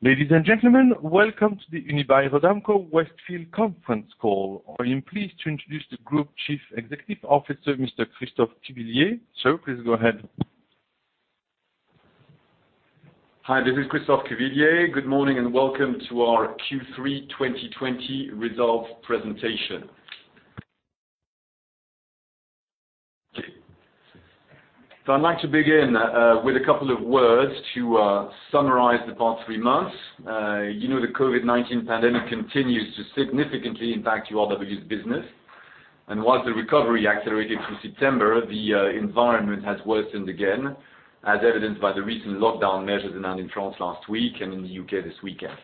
Ladies and gentlemen, welcome to the Unibail-Rodamco-Westfield Conference Call. I am pleased to introduce the Group Chief Executive Officer, Mr. Christophe Cuvillier. Sir, please go ahead. Hi, this is Christophe Cuvillier. Good morning, and welcome to our Q3 2020 results presentation. So I'd like to begin with a couple of words to summarize the past three months. You know, the COVID-19 pandemic continues to significantly impact URW's business, and while the recovery accelerated through September, the environment has worsened again, as evidenced by the recent lockdown measures announced in France last week and in the U.K. this weekend.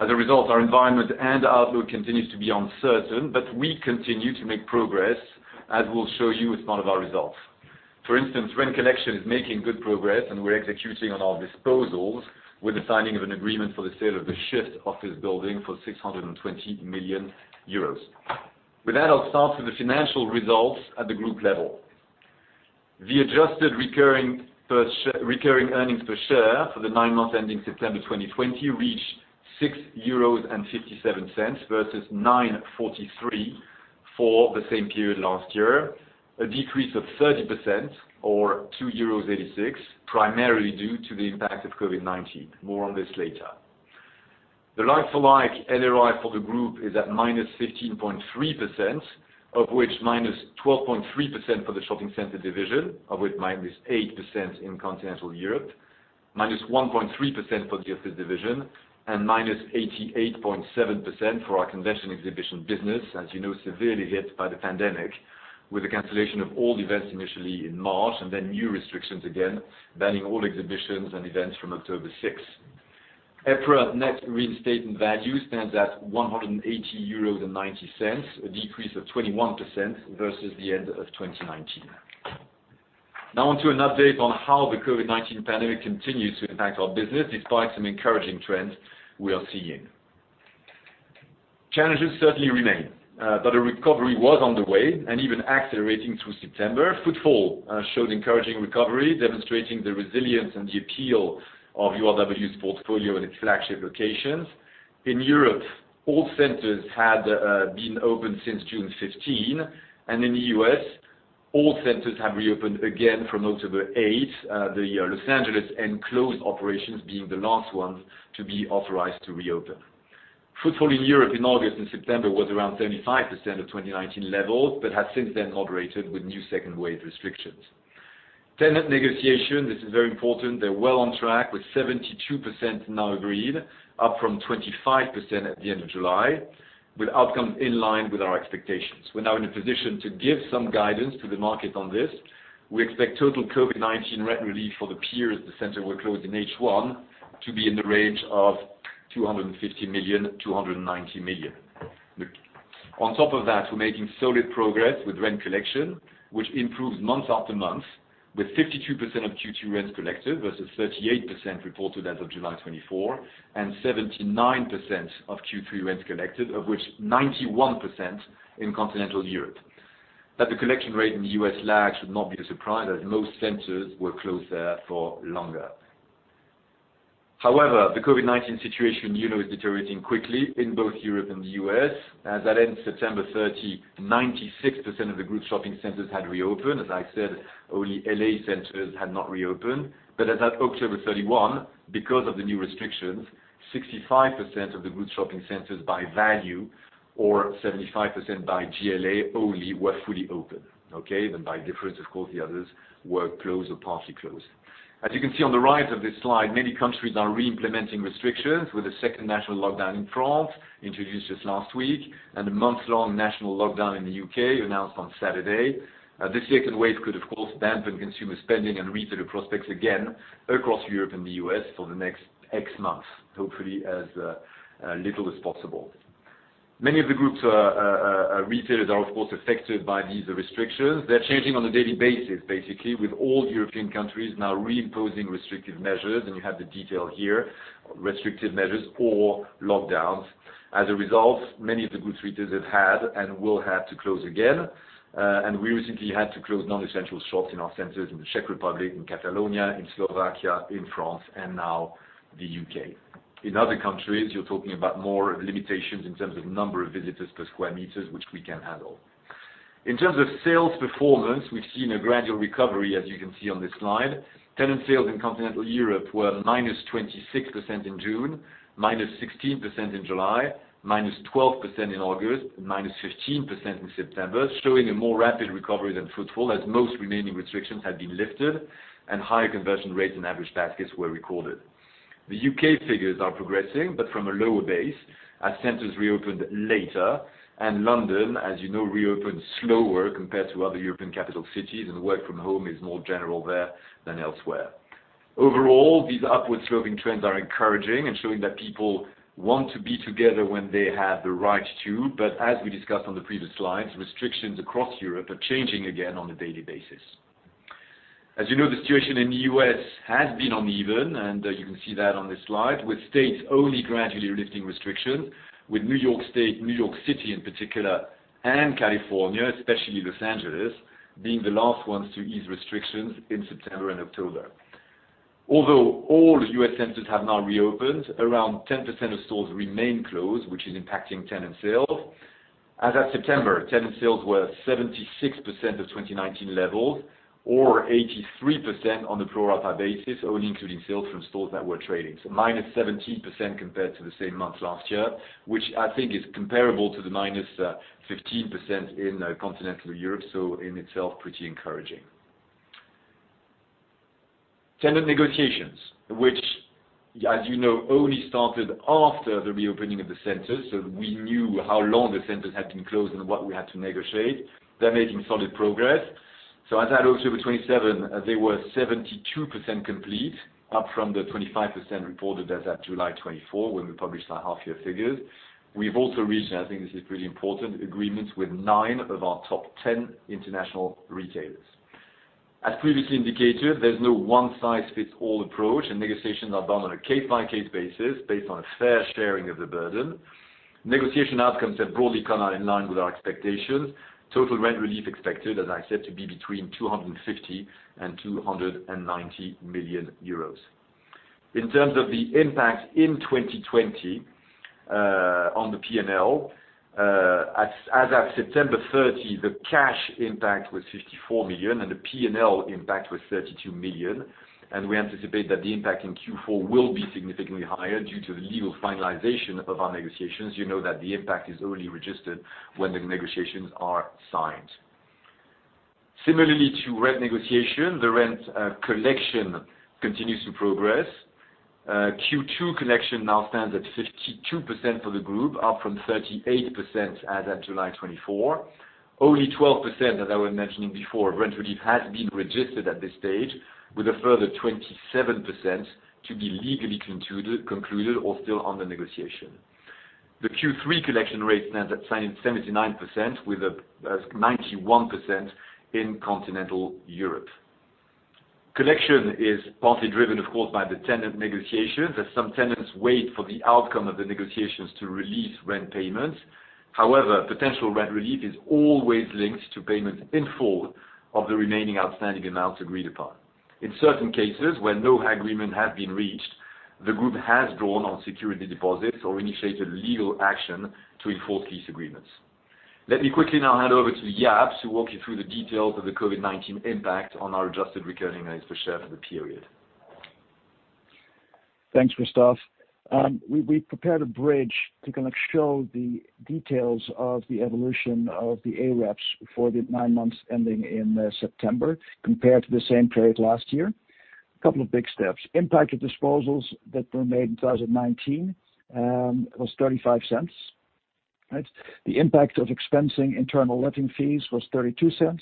As a result, our environment and outlook continues to be uncertain, but we continue to make progress, as we'll show you as part of our results. For instance, rent collection is making good progress, and we're executing on our disposals with the signing of an agreement for the sale of the SHiFT office building for 620 million euros. With that, I'll start with the financial results at the group level. The adjusted recurring earnings per share for the nine months ending September 2020 reached 6.57 euros versus 9.43 for the same period last year, a decrease of 30% or 2.86 euros, primarily due to the impact of COVID-19. More on this later. The like-for-like NRI for the group is at -15.3%, of which -12.3% for the shopping center division, of which -8% in continental Europe, -1.3% for the office division, and -88.7% for our Convention & Exhibition business, as you know, severely hit by the pandemic, with the cancellation of all events initially in March, and then new restrictions again, banning all exhibitions and events from October 6th. EPRA Net Reinstatement Value stands at 180.90 euros, a decrease of 21% versus the end of 2019. Now on to an update on how the COVID-19 pandemic continues to impact our business, despite some encouraging trends we are seeing. Challenges certainly remain, but a recovery was on the way, and even accelerating through September. Footfall showed encouraging recovery, demonstrating the resilience and the appeal of URW's portfolio and its flagship locations. In Europe, all centers had been open since June 15, and in the U.S., all centers have reopened again from October 8th, the Los Angeles enclosed operations being the last ones to be authorized to reopen. Footfall in Europe in August and September was around 35% of 2019 levels, but has since then moderated with new second wave restrictions. Tenant negotiation, this is very important, they're well on track, with 72% now agreed, up from 25% at the end of July, with outcomes in line with our expectations. We're now in a position to give some guidance to the market on this. We expect total COVID-19 rent relief for the periods the centers were closed in H1, to be in the range of 250 million-290 million. On top of that, we're making solid progress with rent collection, which improves month after month, with 52% of Q2 rents collected versus 38% reported as of July 24, and 79% of Q3 rents collected, of which 91% in continental Europe. That the collection rate in the U.S. lags should not be a surprise, as most centers were closed there for longer. However, the COVID-19 situation, you know, is deteriorating quickly in both Europe and the U.S.. As at end September 30, 96% of the group shopping centers had reopened. As I said, only LA centers had not reopened. But as at October 31, because of the new restrictions, 65% of the group shopping centers by value, or 75% by GLA only, were fully open, okay? Then by difference, of course, the others were closed or partly closed. As you can see on the right of this slide, many countries are re-implementing restrictions with a second national lockdown in France, introduced just last week, and a month-long national lockdown in the U.K., announced on Saturday. This second wave could, of course, dampen consumer spending and retailer prospects again across Europe and the U.S. for the next X months, hopefully as little as possible. Many of the group's retailers are, of course, affected by these restrictions. They're changing on a daily basis, basically, with all European countries now re-imposing restrictive measures, and you have the detail here, restrictive measures or lockdowns. As a result, many of the group's retailers have had and will have to close again, and we recently had to close non-essential shops in our centers in the Czech Republic, in Catalonia, in Slovakia, in France, and now the U.K.. In other countries, you're talking about more limitations in terms of number of visitors per square meters, which we can handle. In terms of sales performance, we've seen a gradual recovery, as you can see on this slide. Tenant sales in Continental Europe were -26% in June, -16% in July, -12% in August, and -15% in September, showing a more rapid recovery than footfall, as most remaining restrictions had been lifted and higher conversion rates and average baskets were recorded. The U.K. figures are progressing, but from a lower base, as centers reopened later, and London, as you know, reopened slower compared to other European capital cities, and work from home is more general there than elsewhere. Overall, these upward-sloping trends are encouraging and showing that people want to be together when they have the right to, but as we discussed on the previous slides, restrictions across Europe are changing again on a daily basis. As you know, the situation in the U.S. has been uneven, and you can see that on this slide, with states only gradually lifting restrictions, with New York State, New York City in particular, and California, especially Los Angeles, being the last ones to ease restrictions in September and October. Although all U.S. centers have now reopened, around 10% of stores remain closed, which is impacting tenant sales. As of September, tenant sales were 76% of 2019 levels, or 83% on the pro rata basis, only including sales from stores that were trading. So -17% compared to the same month last year, which I think is comparable to the -15% in Continental Europe, so in itself, pretty encouraging. Tenant negotiations, which, as you know, only started after the reopening of the centers, so we knew how long the centers had been closed and what we had to negotiate. They're making solid progress. So as at October 27, they were 72% complete, up from the 25% reported as at July 24, when we published our half year figures. We've also reached, and I think this is pretty important, agreements with nine of our top 10 international retailers. As previously indicated, there's no one-size-fits-all approach, and negotiations are done on a case-by-case basis, based on a fair sharing of the burden. Negotiation outcomes have broadly come out in line with our expectations. Total rent relief expected, as I said, to be between 250 million and 290 million euros. In terms of the impact in 2020 on the P&L as at September 30, the cash impact was 54 million, and the P&L impact was 32 million. And we anticipate that the impact in Q4 will be significantly higher due to the legal finalization of our negotiations. You know that the impact is only registered when the negotiations are signed. Similarly to rent negotiation, the rent collection continues to progress. Q2 collection now stands at 52% for the group, up from 38% as at July 24. Only 12%, as I was mentioning before, rent relief has been registered at this stage, with a further 27% to be legally concluded or still under negotiation. The Q3 collection rate stands at 79%, with a 91% in continental Europe. Collection is partly driven, of course, by the tenant negotiations, as some tenants wait for the outcome of the negotiations to release rent payments. However, potential rent relief is always linked to payment in full of the remaining outstanding amounts agreed upon. In certain cases, where no agreement has been reached, the group has drawn on security deposits or initiated legal action to enforce lease agreements. Let me quickly now hand over to Jaap to walk you through the details of the COVID-19 impact on our Adjusted Recurring Earnings Per Share for the period. Thanks, Christophe. We prepared a bridge to kind of show the details of the evolution of the AREPS for the nine months ending in September, compared to the same period last year. A couple of big steps. Impact of disposals that were made in 2019 was 0.35, right? The impact of expensing internal letting fees was 0.32.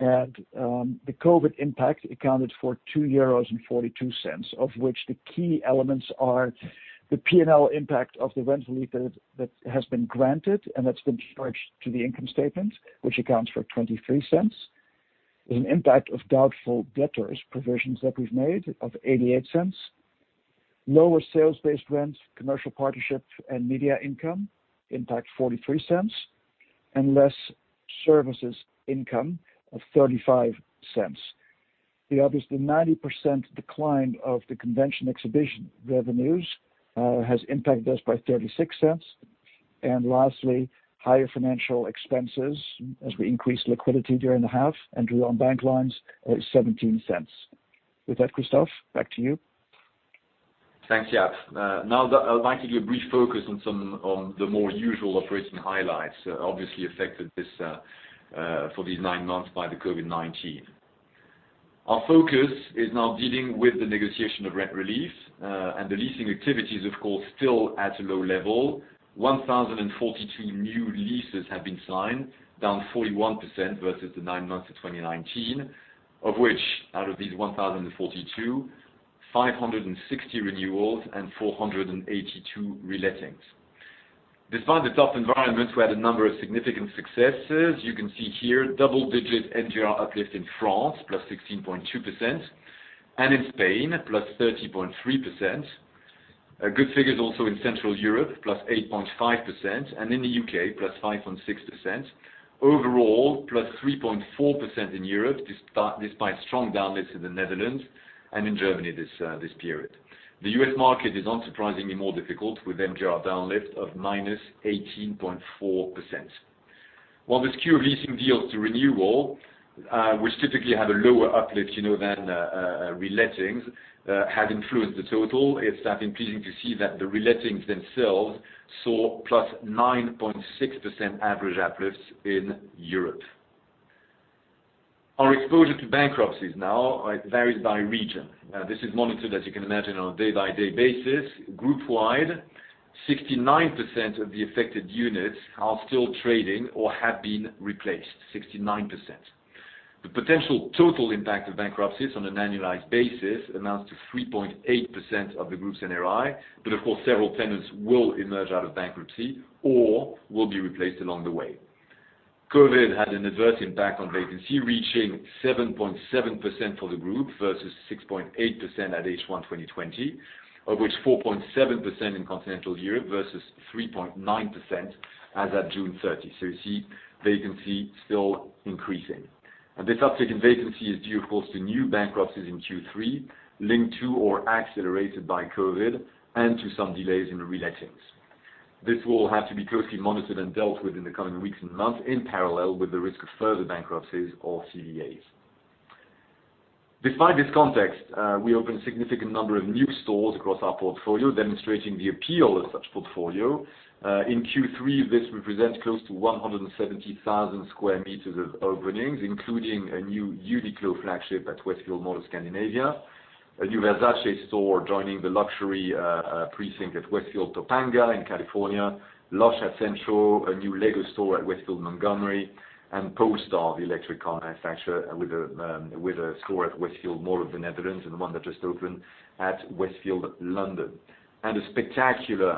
And the COVID impact accounted for 2.42 euros, of which the key elements are the P&L impact of the rent relief that has been granted and that's been charged to the income statement, which accounts for 0.23. There's an impact of doubtful debtors provisions that we've made, of 0.88. Lower sales-based rents, commercial partnerships, and media income impact 0.43, and less services income of 0.35. The obviously 90% decline of the convention exhibition revenues has impacted us by 0.36. And lastly, higher financial expenses, as we increased liquidity during the half and drew on bank lines, 0.17. With that, Christophe, back to you. Thanks, Jaap. Now, I'd like to give a brief focus on some, on the more usual operating highlights, obviously affected this for these nine months by the COVID-19. Our focus is now dealing with the negotiation of rent relief, and the leasing activities, of course, still at a low level. 1,042 new leases have been signed, down 41% versus the nine months of 2019, of which, out of these 1,042, 560 renewals and 482 relettings. Despite the tough environment, we had a number of significant successes. You can see here double-digit MGR uplift in France, +16.2%, and in Spain, +30.3%. Good figures also in central Europe, +8.5%, and in the U.K., +5.6%. Overall, +3.4% in Europe, despite strong downlifts in the Netherlands and in Germany this period. The U.S. market is unsurprisingly more difficult, with MGR downlift of -18.4%. While the skew of leasing deals to renewal, which typically have a lower uplift, you know, than relettings, have influenced the total, it's still pleasing to see that the relettings themselves saw +9.6% average uplifts in Europe. Our exposure to bankruptcies now varies by region. This is monitored, as you can imagine, on a day-by-day basis. Group-wide, 69% of the affected units are still trading or have been replaced, 69%. The potential total impact of bankruptcies on an annualized basis amounts to 3.8% of the group's NRI, but of course, several tenants will emerge out of bankruptcy or will be replaced along the way. COVID had an adverse impact on vacancy, reaching 7.7% for the group versus 6.8% to H1 2020, of which 4.7% in continental Europe versus 3.9% as at June 30. So you see vacancy still increasing. And this uptick in vacancy is due, of course, to new bankruptcies in Q3, linked to or accelerated by COVID, and to some delays in relettings. This will have to be closely monitored and dealt with in the coming weeks and months, in parallel with the risk of further bankruptcies or CVAs. Despite this context, we opened a significant number of new stores across our portfolio, demonstrating the appeal of such portfolio. In Q3, this represents close to 170,000 square meters of openings, including a new Uniqlo flagship at Westfield Mall of Scandinavia, a new Versace store joining the luxury precinct at Westfield Topanga in California, Lush at CentrO, a new Lego store at Westfield Montgomery, and Polestar, the electric car manufacturer, with a store at Westfield Mall of the Netherlands, and the one that just opened at Westfield London. A spectacular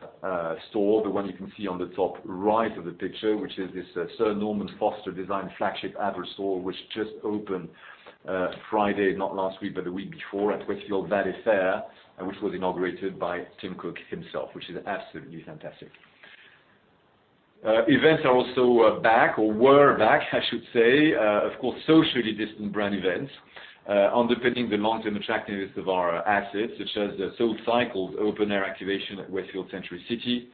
store, the one you can see on the top right of the picture, which is this Sir Norman Foster designed flagship Apple store, which just opened Friday, not last week, but the week before at Westfield Valley Fair, and which was inaugurated by Tim Cook himself, which is absolutely fantastic. Events are also back or were back, I should say, of course, socially distant brand events, underpinning the long-term attractiveness of our assets, such as the SoulCycle open-air activation at Westfield Century City,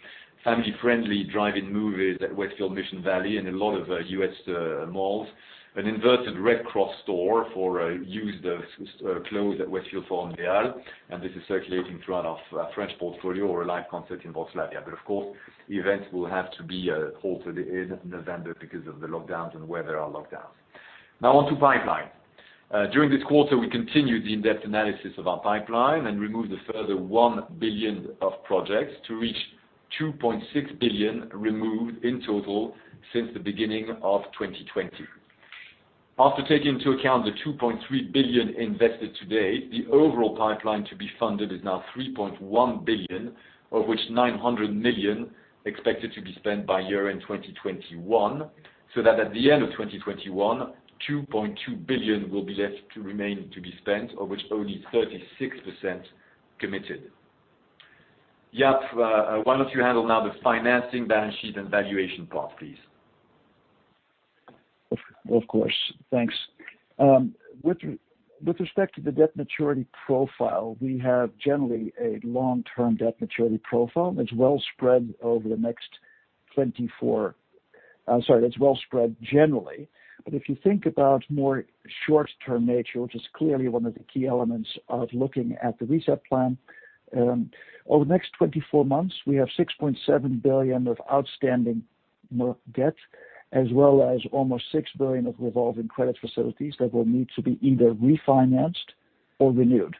family-friendly drive-in movies at Westfield Mission Valley, and a lot of U.S. malls. An inverted Red Cross store for used clothes at Westfield Forum des Halles, and this is circulating throughout our French portfolio or a live concert in Bosnia. But of course, events will have to be halted in November because of the lockdowns and where there are lockdowns. Now on to pipeline. During this quarter, we continued the in-depth analysis of our pipeline and removed a further 1 billion of projects to reach 2.6 billion removed in total since the beginning of 2020. After taking into account the 2.3 billion invested today, the overall pipeline to be funded is now 3.1 billion, of which 900 million expected to be spent by year-end 2021, so that at the end of 2021, 2.2 billion will be left to remain to be spent, of which only 36% committed. Jaap, why don't you handle now the financing, balance sheet, and valuation part, please? Of course. Thanks. With respect to the debt maturity profile, we have generally a long-term debt maturity profile that's well spread over the next 24... that's well spread generally. But if you think about more short-term nature, which is clearly one of the key elements of looking at the RESET Plan, over the next 24 months, we have 6.7 billion of outstanding net debt, as well as almost 6 billion of revolving credit facilities that will need to be either refinanced or renewed.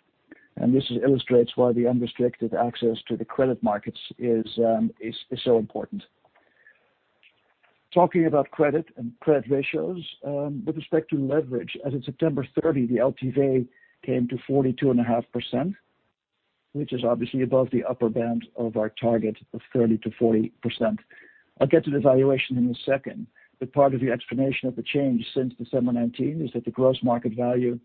And this illustrates why the unrestricted access to the credit markets is so important. Talking about credit and credit ratios, with respect to leverage, as of September 30, the LTV came to 42.5%, which is obviously above the upper band of our target of 30%-40%. I'll get to the valuation in a second, but part of the explanation of the change since December 2019 is that the gross market value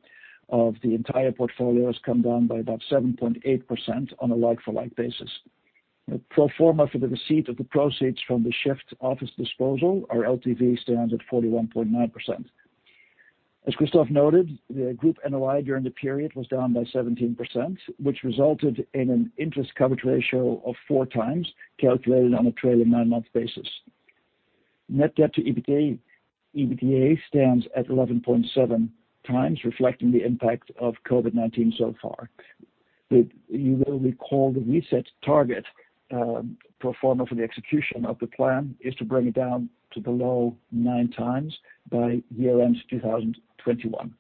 of the entire portfolio has come down by about 7.8% on a like-for-like basis. Pro forma for the receipt of the proceeds from the Shift office disposal, our LTV stands at 41.9%. As Christophe noted, the group NOI during the period was down by 17%, which resulted in an interest coverage ratio of four times, calculated on a trailing nine-month basis. Net debt to EBITDA, EBITDA stands at 11.7 times, reflecting the impact of COVID-19 so far. But you will recall the reset target, pro forma for the execution of the plan, is to bring it down to below nine times by year-end 2021.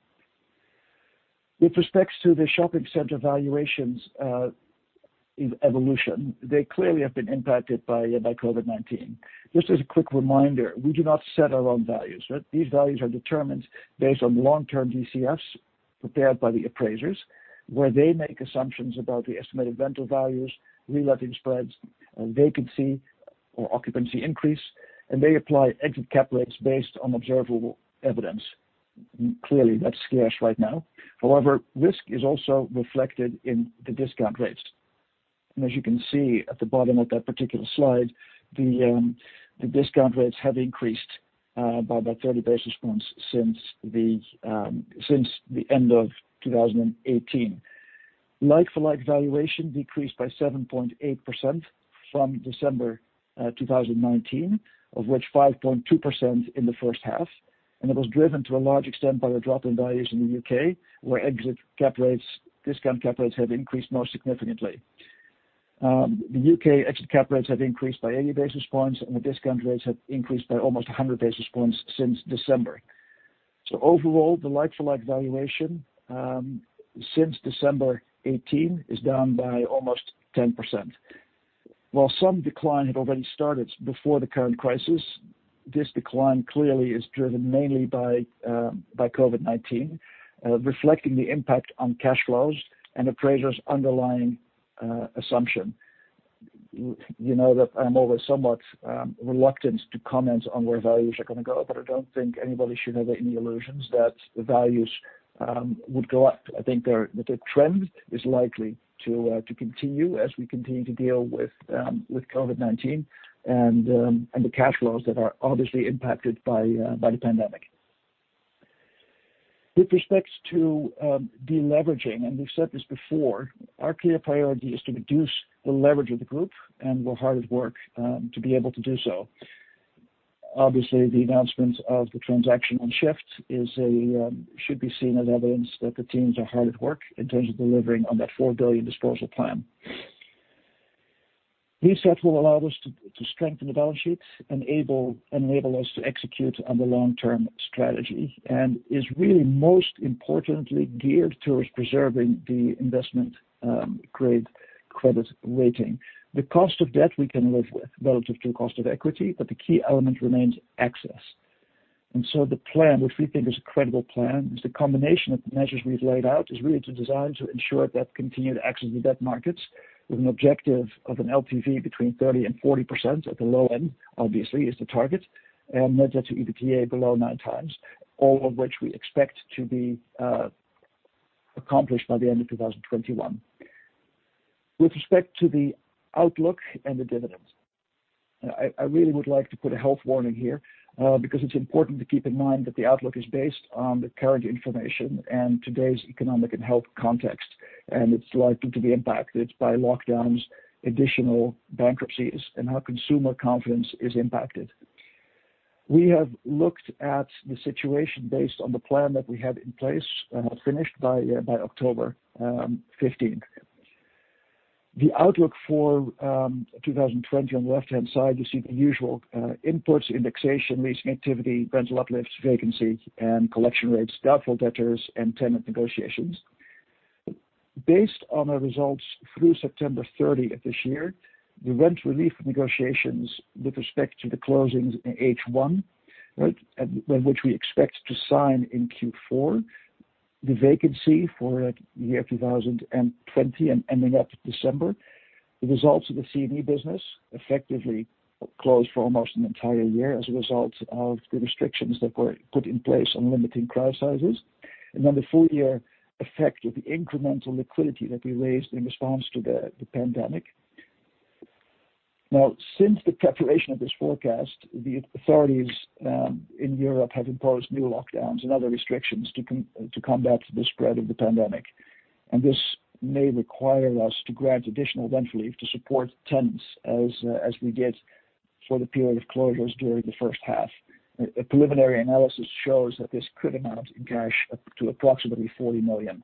With respect to the shopping center valuations, evolution, they clearly have been impacted by COVID-19. Just as a quick reminder, we do not set our own values, right? These values are determined based on long-term DCFs prepared by the appraisers, where they make assumptions about the estimated rental values, reletting spreads, vacancy or occupancy increase, and they apply exit cap rates based on observable evidence. Clearly, that's scarce right now. However, risk is also reflected in the discount rates. And as you can see at the bottom of that particular slide, the discount rates have increased by about 30 basis points since the end of 2018. Like-for-like valuation decreased by 7.8% from December 2019, of which 5.2% in the first half, and it was driven to a large extent by the drop in valuation in the U.K., where exit cap rates, discount rates have increased most significantly. The U.K. exit cap rates have increased by 80 basis points, and the discount rates have increased by almost 100 basis points since December. So overall, the like-for-like valuation, since December 2018, is down by almost 10%. While some decline had already started before the current crisis, this decline clearly is driven mainly by by COVID-19, reflecting the impact on cash flows and appraisers' underlying assumption. You know that I'm always somewhat reluctant to comment on where values are gonna go, but I don't think anybody should have any illusions that the values would go up. I think that the trend is likely to continue as we continue to deal with COVID-19, and the cash flows that are obviously impacted by the pandemic. With respect to deleveraging, and we've said this before, our clear priority is to reduce the leverage of the group, and we're hard at work to be able to do so. Obviously, the announcements of the transaction on Shift is a should be seen as evidence that the teams are hard at work in terms of delivering on that 4 billion disposal plan. Reset will allow us to strengthen the balance sheet and enable us to execute on the long-term strategy, and is really most importantly geared towards preserving the investment grade credit rating. The cost of debt we can live with relative to the cost of equity, but the key element remains access. And so the plan, which we think is a credible plan, is the combination of the measures we've laid out, is really designed to ensure that continued access to the debt markets with an objective of an LTV between 30% and 40% at the low end, obviously, is the target, and net debt to EBITDA below nine times, all of which we expect to be accomplished by the end of 2021. With respect to the outlook and the dividends, I really would like to put a health warning here, because it's important to keep in mind that the outlook is based on the current information and today's economic and health context, and it's likely to be impacted by lockdowns, additional bankruptcies, and how consumer confidence is impacted. We have looked at the situation based on the plan that we had in place, finished by October 15th. The outlook for 2020 on the left-hand side, you see the usual inputs, indexation, leasing activity, rental uplifts, vacancy, and collection rates, doubtful debtors, and tenant negotiations. Based on our results through September thirty of this year, the rent relief negotiations with respect to the closings in H1, right, and which we expect to sign in Q4, the vacancy for year 2020 ending up December, the results of the C&E business effectively closed for almost an entire year as a result of the restrictions that were put in place on limiting crowd sizes, and then the full year effect of the incremental liquidity that we raised in response to the pandemic. Now, since the preparation of this forecast, the authorities in Europe have imposed new lockdowns and other restrictions to combat the spread of the pandemic. And this may require us to grant additional rent relief to support tenants as we did for the period of closures during the first half. A preliminary analysis shows that this could amount in cash up to approximately 40 million.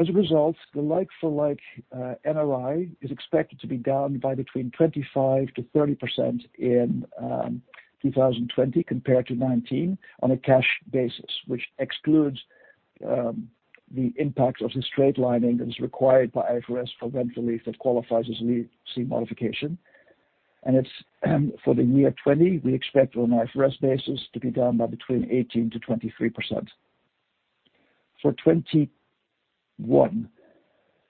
As a result, the like-for-like NOI is expected to be down by between 25%-30% in 2020, compared to 2019, on a cash basis, which excludes the impact of the straight-lining that is required by IFRS for rent relief that qualifies as lease modification. It's for the year 2020, we expect on an IFRS basis to be down by between 18%-23%. For 2021,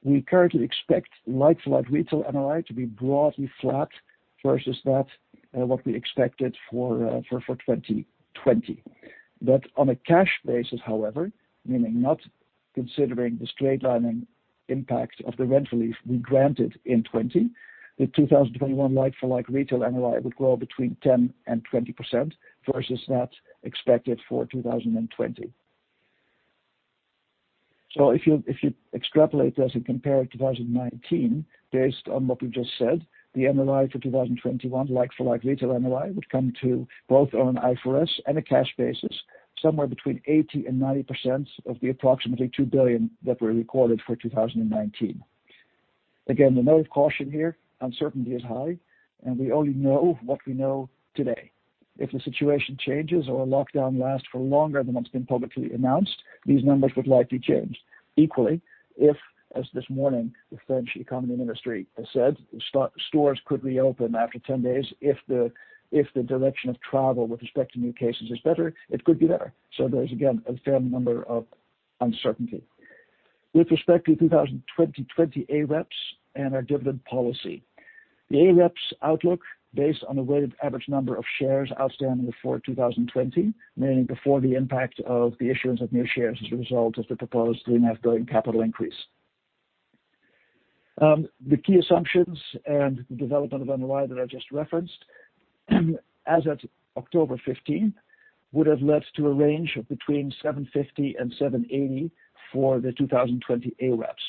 we currently expect like-for-like retail NOI to be broadly flat versus that what we expected for 2020. But on a cash basis, however, meaning not considering the straight-lining impact of the rent relief we granted in 2020, the 2021 like-for-like retail NOI would grow between 10% and 20% versus that expected for 2020. So if you extrapolate this and compare it to 2029, based on what we just said, the NOI for 2021, like-for-like retail NOI, would come to both on IFRS and a cash basis, somewhere between 80% and 90% of the approximately 2 billion that were recorded for 2019. Again, the note of caution here, uncertainty is high, and we only know what we know today. If the situation changes or a lockdown lasts for longer than what's been publicly announced, these numbers would likely change. Equally, if, as this morning, the French economy and industry has said, stores could reopen after 10 days, if the direction of travel with respect to new cases is better, it could be better. So there is, again, a fair number of uncertainty. With respect to 2020 AREPS and our dividend policy, the AREPS outlook, based on the weighted average number of shares outstanding before 2020, meaning before the impact of the issuance of new shares as a result of the proposed EUR 3.5 billion capital increase. The key assumptions and the development of NOI that I just referenced, as at October 15, would have led to a range of between 750-780 for the 2020 AREPS.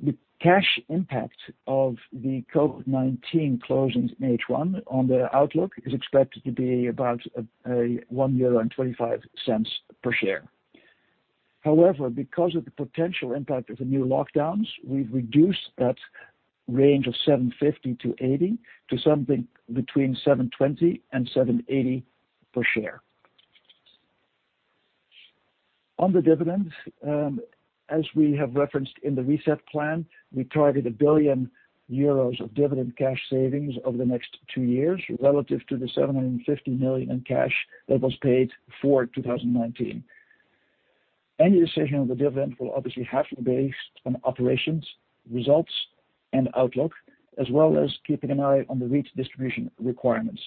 The cash impact of the COVID-19 closings in H1 on the outlook is expected to be about 1.25 euro per share. However, because of the potential impact of the new lockdowns, we've reduced that range of 7.50-8.00 to something between 7.20 and 7.80 per share. On the dividend, as we have referenced in the reset plan, we target 1 billion euros of dividend cash savings over the next two years relative to the 750 million in cash that was paid for 2019. Any decision on the dividend will obviously have to be based on operations, results, and outlook, as well as keeping an eye on the REIT distribution requirements.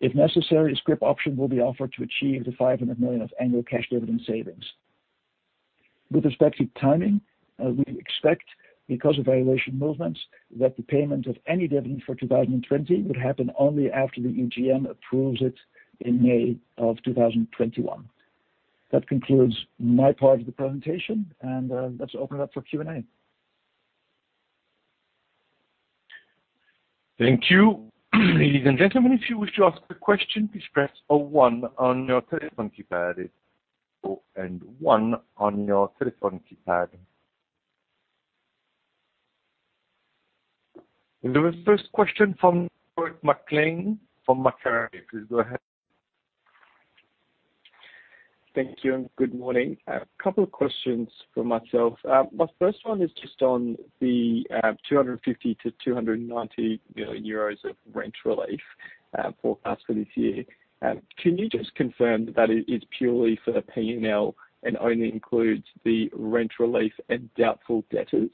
If necessary, a scrip option will be offered to achieve the 500 million of annual cash dividend savings.... With respect to timing, we expect because of valuation movements, that the payment of any dividend for 2020 would happen only after the EGM approves it in May of 2021. That concludes my part of the presentation, and, let's open it up for Q&A. Thank you. Ladies and gentlemen, if you wish to ask a question, please press oh one on your telephone keypad, oh, and one on your telephone keypad. The first question from McLean, from Macquarie, please go ahead. Thank you, and good morning. A couple of questions from myself. My first one is just on the 250 million-290 million euros of rent relief forecast for this year. Can you just confirm that it is purely for the P&L, and only includes the rent relief and doubtful debtors?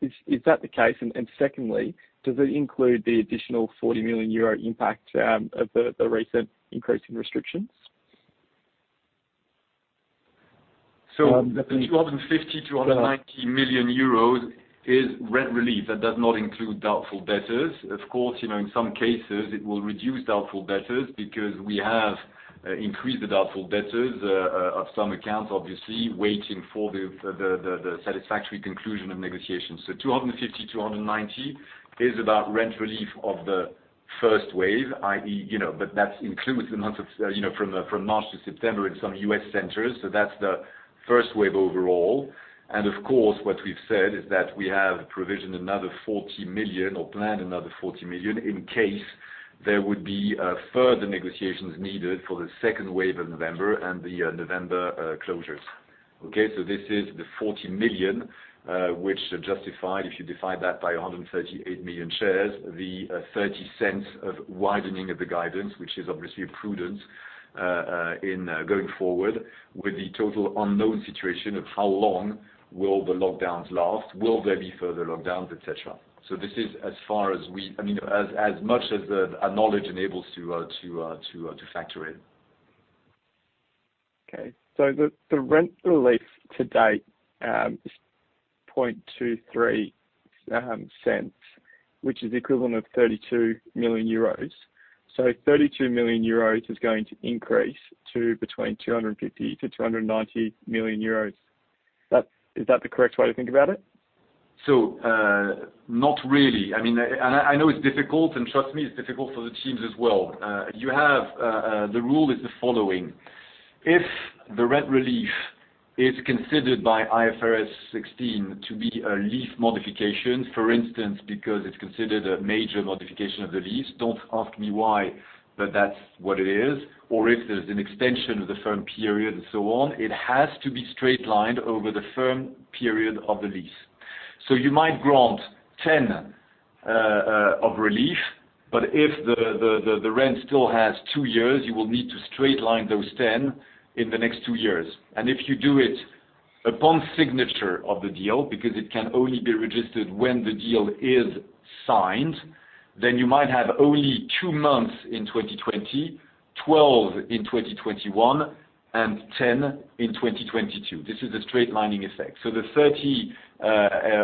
Is that the case? And secondly, does it include the additional 40 million euro impact of the recent increase in restrictions? The 250 million-290 million euros is rent relief. That does not include doubtful debtors. Of course, you know, in some cases it will reduce doubtful debtors, because we have increased the doubtful debtors of some accounts, obviously, waiting for the satisfactory conclusion of negotiations. 250 million-290 million is about rent relief of the first wave, i.e., you know, but that includes the months of, you know, from March to September in some U.S. centers, so that's the first wave overall. Of course, what we've said is that we have provisioned another 40 million, or planned another 40 million, in case there would be further negotiations needed for the second wave of November and the November closures. Okay, so this is the 40 million, which justified, if you divide that by 138 million shares, the 0.30 of widening of the guidance, which is obviously a prudence in going forward with the total unknown situation of how long will the lockdowns last, will there be further lockdowns, et cetera. So this is as far as we—I mean, as much as our knowledge enables to factor in. Okay, so the rent relief to date is 0.23, which is equivalent of 32 million euros, so 32 million euros is going to increase to between 250 million-290 million euros. Is that the correct way to think about it? So, not really. I mean, and I know it's difficult, and trust me, it's difficult for the teams as well. You have the rule is the following: if the rent relief is considered by IFRS 16 to be a lease modification, for instance, because it's considered a major modification of the lease, don't ask me why, but that's what it is, or if there's an extension of the firm period and so on, it has to be straight-lined over the firm period of the lease. So you might grant 10 of relief, but if the rent still has two years, you will need to straight-line those 10 in the next two years. And if you do it upon signature of the deal, because it can only be registered when the deal is signed, then you might have only two months in 2020, 12 in 2021, and 10 in 2022. This is the straight lining effect. So the 30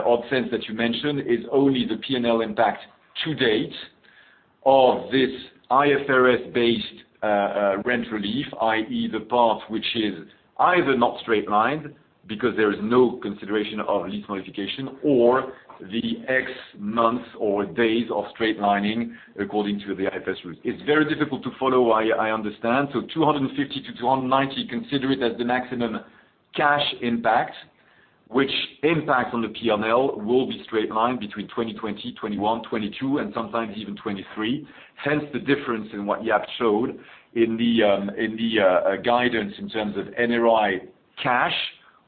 odd cents that you mentioned is only the P&L impact to date of this IFRS-based rent relief, i.e., the part which is either not straight lined, because there is no consideration of lease modification, or the X months or days of straight lining according to the IFRS rule. It's very difficult to follow. I understand. So 250 to 290, consider it as the maximum cash impact, which impact on the P&L will be straight lined between 2020, 2021, 2022, and sometimes even 2023. Hence, the difference in what Jaap showed in the guidance in terms of NRI cash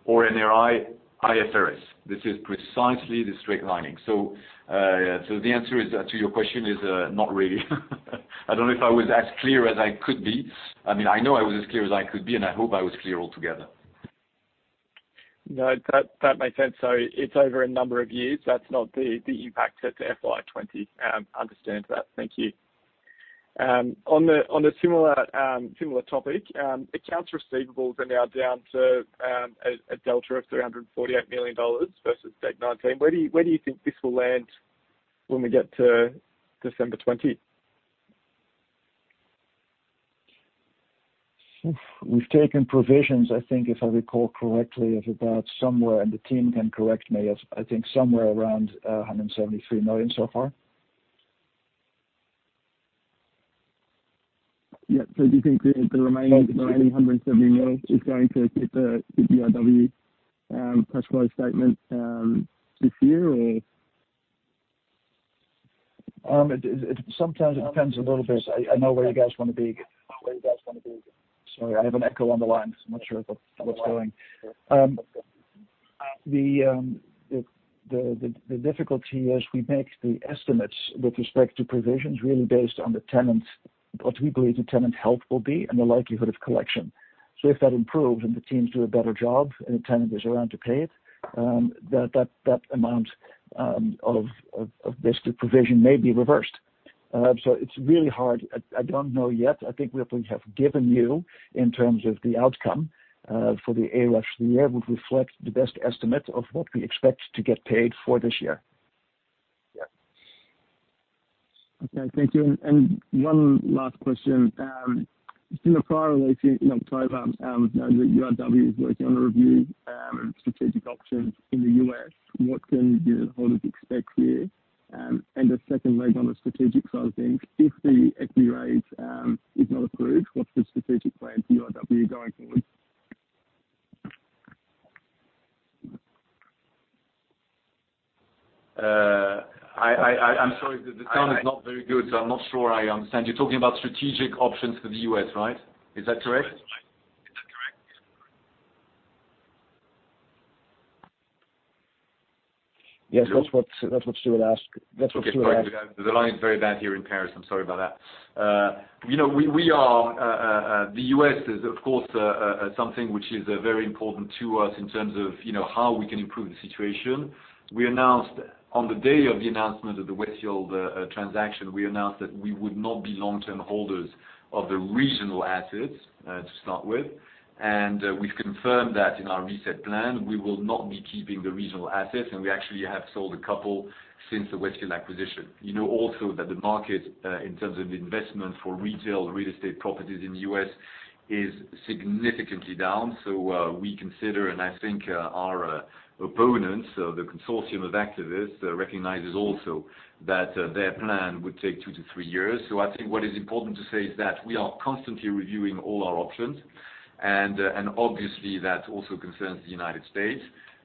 or NRI IFRS. This is precisely the straight-lining. So, the answer is to your question is not really. I don't know if I was as clear as I could be. I mean, I know I was as clear as I could be, and I hope I was clear altogether. No, that makes sense. So it's over a number of years, that's not the impact to FY 2020. I understand that. Thank you. On a similar topic, accounts receivables are now down to a delta of $348 million versus 2019. Where do you think this will land when we get to December 2020? We've taken provisions, I think, if I recall correctly, of about somewhere, and the team can correct me, as I think somewhere around 173 million so far. Yeah. So do you think the remaining 170 million is going to hit the URW press release statement this year, or? Sometimes it depends a little bit. I know where you guys want to be. Sorry, I have an echo on the line, so I'm not sure what's going. The difficulty is, we make the estimates with respect to provisions really based on the tenant, what we believe the tenant health will be and the likelihood of collection. So if that improves and the teams do a better job, and the tenant is around to pay it, that amount of this, the provision may be reversed. So it's really hard. I don't know yet. I think what we have given you in terms of the outcome, for the AREPS year would reflect the best estimate of what we expect to get paid for this year. Yeah. Okay, thank you. And one last question. In a prior release in October, we know that URW is working on a review, strategic options in the U.S. What can the holders expect here? And the second leg on the strategic side of things, if the equity raise is not approved, what's the strategic plan for URW going forward? I'm sorry, the sound is not very good, so I'm not sure I understand. You're talking about strategic options for the U.S., right? Is that correct? Is that correct? Yes, that's what, that's what she would ask. That's what she would ask. Okay, sorry. The line is very bad here in Paris. I'm sorry about that. You know, we are, the U.S. is of course something which is very important to us in terms of, you know, how we can improve the situation. We announced. On the day of the announcement of the Westfield transaction, we announced that we would not be long-term holders of the regional assets to start with. And we've confirmed that in our RESET Plan, we will not be keeping the regional assets, and we actually have sold a couple since the Westfield acquisition. You know, also that the market in terms of investment for retail real estate properties in the U.S. is significantly down. So, we consider, and I think, our opponents, so the consortium of activists, recognizes also that their plan would take two to three years. So I think what is important to say is that we are constantly reviewing all our options, and obviously, that also concerns the United States.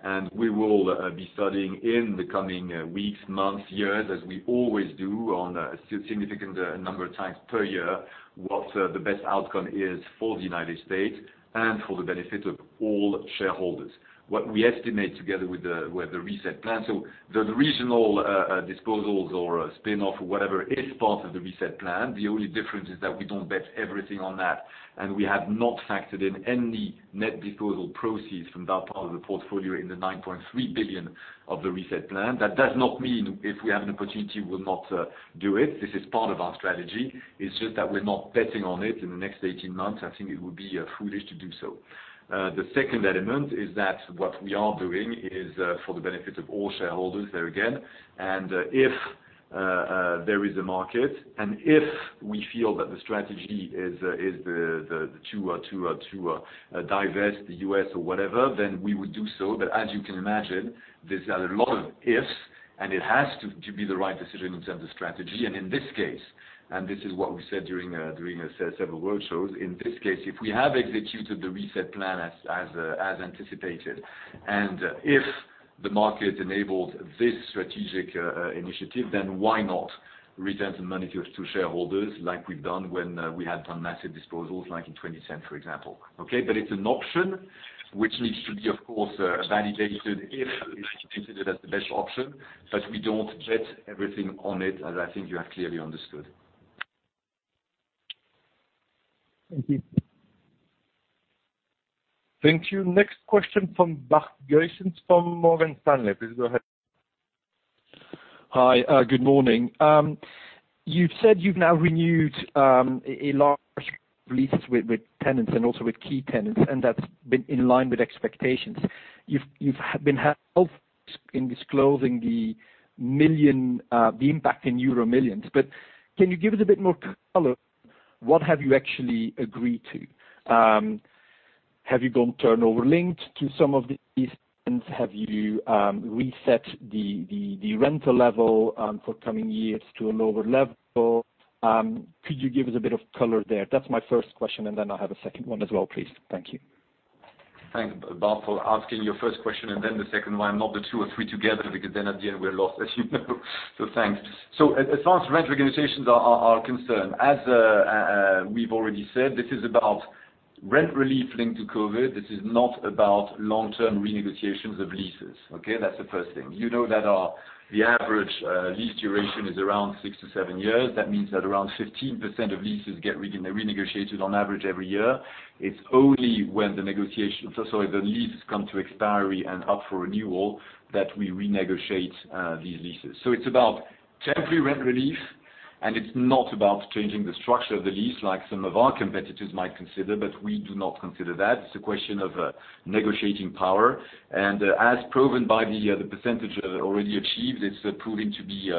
And we will be studying in the coming weeks, months, years, as we always do on a significant number of times per year, what the best outcome is for the United States and for the benefit of all shareholders. What we estimate together with the RESET Plan. So the regional disposals or spin-off or whatever is part of the RESET Plan. The only difference is that we don't bet everything on that, and we have not factored in any net disposal proceeds from that part of the portfolio in the 9.3 billion of the RESET Plan. That does not mean if we have an opportunity, we'll not do it. This is part of our strategy. It's just that we're not betting on it in the next 18 months. I think it would be foolish to do so. The second element is that what we are doing is for the benefit of all shareholders, there again, and if there is a market, and if we feel that the strategy is to divest the US or whatever, then we would do so. But as you can imagine, there's a lot of ifs, and it has to be the right decision in terms of strategy, and in this case, and this is what we said during several roadshows. In this case, if we have executed the RESET Plan as anticipated, and if the market enables this strategic initiative, then why not return some money to shareholders like we've done when we have done massive disposals, like in 2018, for example, okay? But it's an option which needs to be, of course, validated if it's considered as the best option, but we don't bet everything on it, as I think you have clearly understood. Thank you. Thank you. Next question from Bart Gysens, from Morgan Stanley. Please go ahead. Hi, good morning. You've said you've now renewed large leases with tenants and also with key tenants, and that's been in line with expectations. You've been helpful in disclosing the impact in euro millions, but can you give us a bit more color? What have you actually agreed to? Have you gone turnover linked to some of these, and have you reset the rental level for coming years to a lower level? Could you give us a bit of color there? That's my first question, and then I'll have a second one as well, please. Thank you. Thanks, Bart, for asking your first question and then the second one, not the two or three together, because then at the end, we're lost, as you know. So thanks. So as far as rent negotiations are concerned, as we've already said, this is about rent relief linked to COVID. This is not about long-term renegotiations of leases, okay? That's the first thing. You know that our average lease duration is around six to seven years. That means that around 15% of leases get renegotiated on average every year. It's only when the negotiations, sorry, the leases come to expiry and up for renewal, that we renegotiate these leases. So it's about temporary rent relief, and it's not about changing the structure of the lease, like some of our competitors might consider, but we do not consider that. It's a question of negotiating power. And as proven by the percentage already achieved, it's proving to be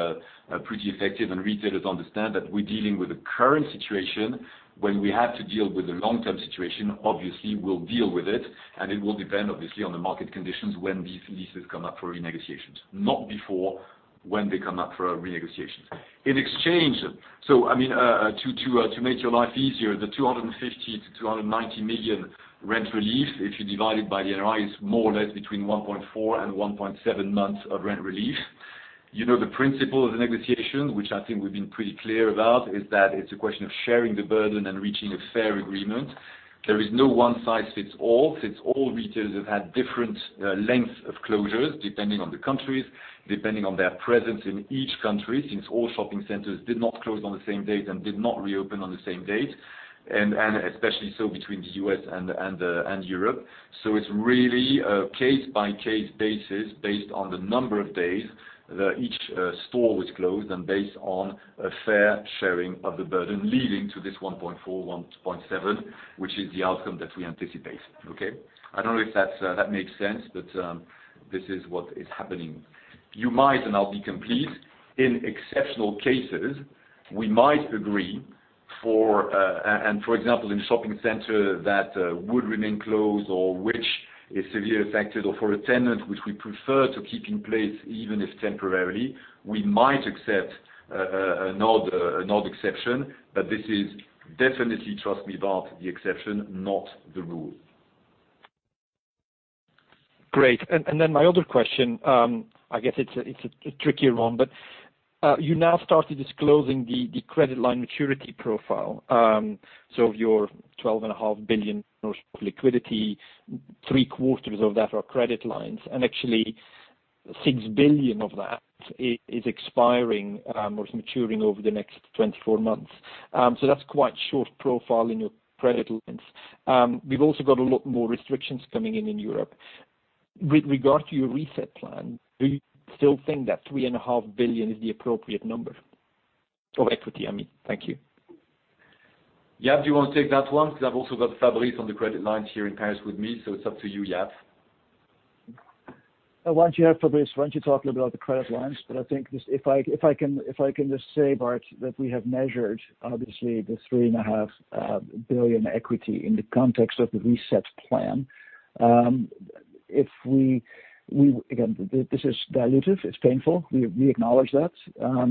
pretty effective. And retailers understand that we're dealing with a current situation. When we have to deal with a long-term situation, obviously, we'll deal with it, and it will depend obviously on the market conditions when these leases come up for renegotiations. Not before, when they come up for a renegotiation. In exchange... So I mean, to make your life easier, the 250 million-290 million rent relief, if you divide it by the NRI, it's more or less between 1.4 months and 1.7 months of rent relief. You know, the principle of the negotiation, which I think we've been pretty clear about, is that it's a question of sharing the burden and reaching a fair agreement. There is no one size fits all. All retailers have had different lengths of closures, depending on the countries, depending on their presence in each country, since all shopping centers did not close on the same date and did not reopen on the same date, and especially so between the U.S. and Europe. So it's really a case-by-case basis, based on the number of days that each store was closed and based on a fair sharing of the burden, leading to this 1.4-1.7, which is the outcome that we anticipate, okay? I don't know if that makes sense, but this is what is happening. You might, and I'll be complete, in exceptional cases, we might agree for... and for example, in shopping center that would remain closed or which is severely affected, or for a tenant which we prefer to keep in place, even if temporarily, we might accept an odd exception, but this is definitely, trust me, Bart, the exception, not the rule. Great. And then my other question, I guess it's a trickier one, but you now started disclosing the credit line maturity profile. So of your 12.5 billion liquidity, three quarters of that are credit lines, and actually 6 billion of that is expiring or is maturing over the next 24 months. So that's quite short profile in your credit lines. We've also got a lot more restrictions coming in in Europe. With regard to your RESET Plan, do you still think that 3.5 billion is the appropriate number? Of equity, I mean. Thank you. Jaap, do you want to take that one? Because I've also got Fabrice on the line here in Paris with me, so it's up to you, Jaap. Why don't you have Fabrice talk a little about the credit lines? But I think this, if I can just say, Bart, that we have measured, obviously, the 3.5 billion equity in the context of the RESET Plan. If we, again, this is dilutive, it's painful, we acknowledge that,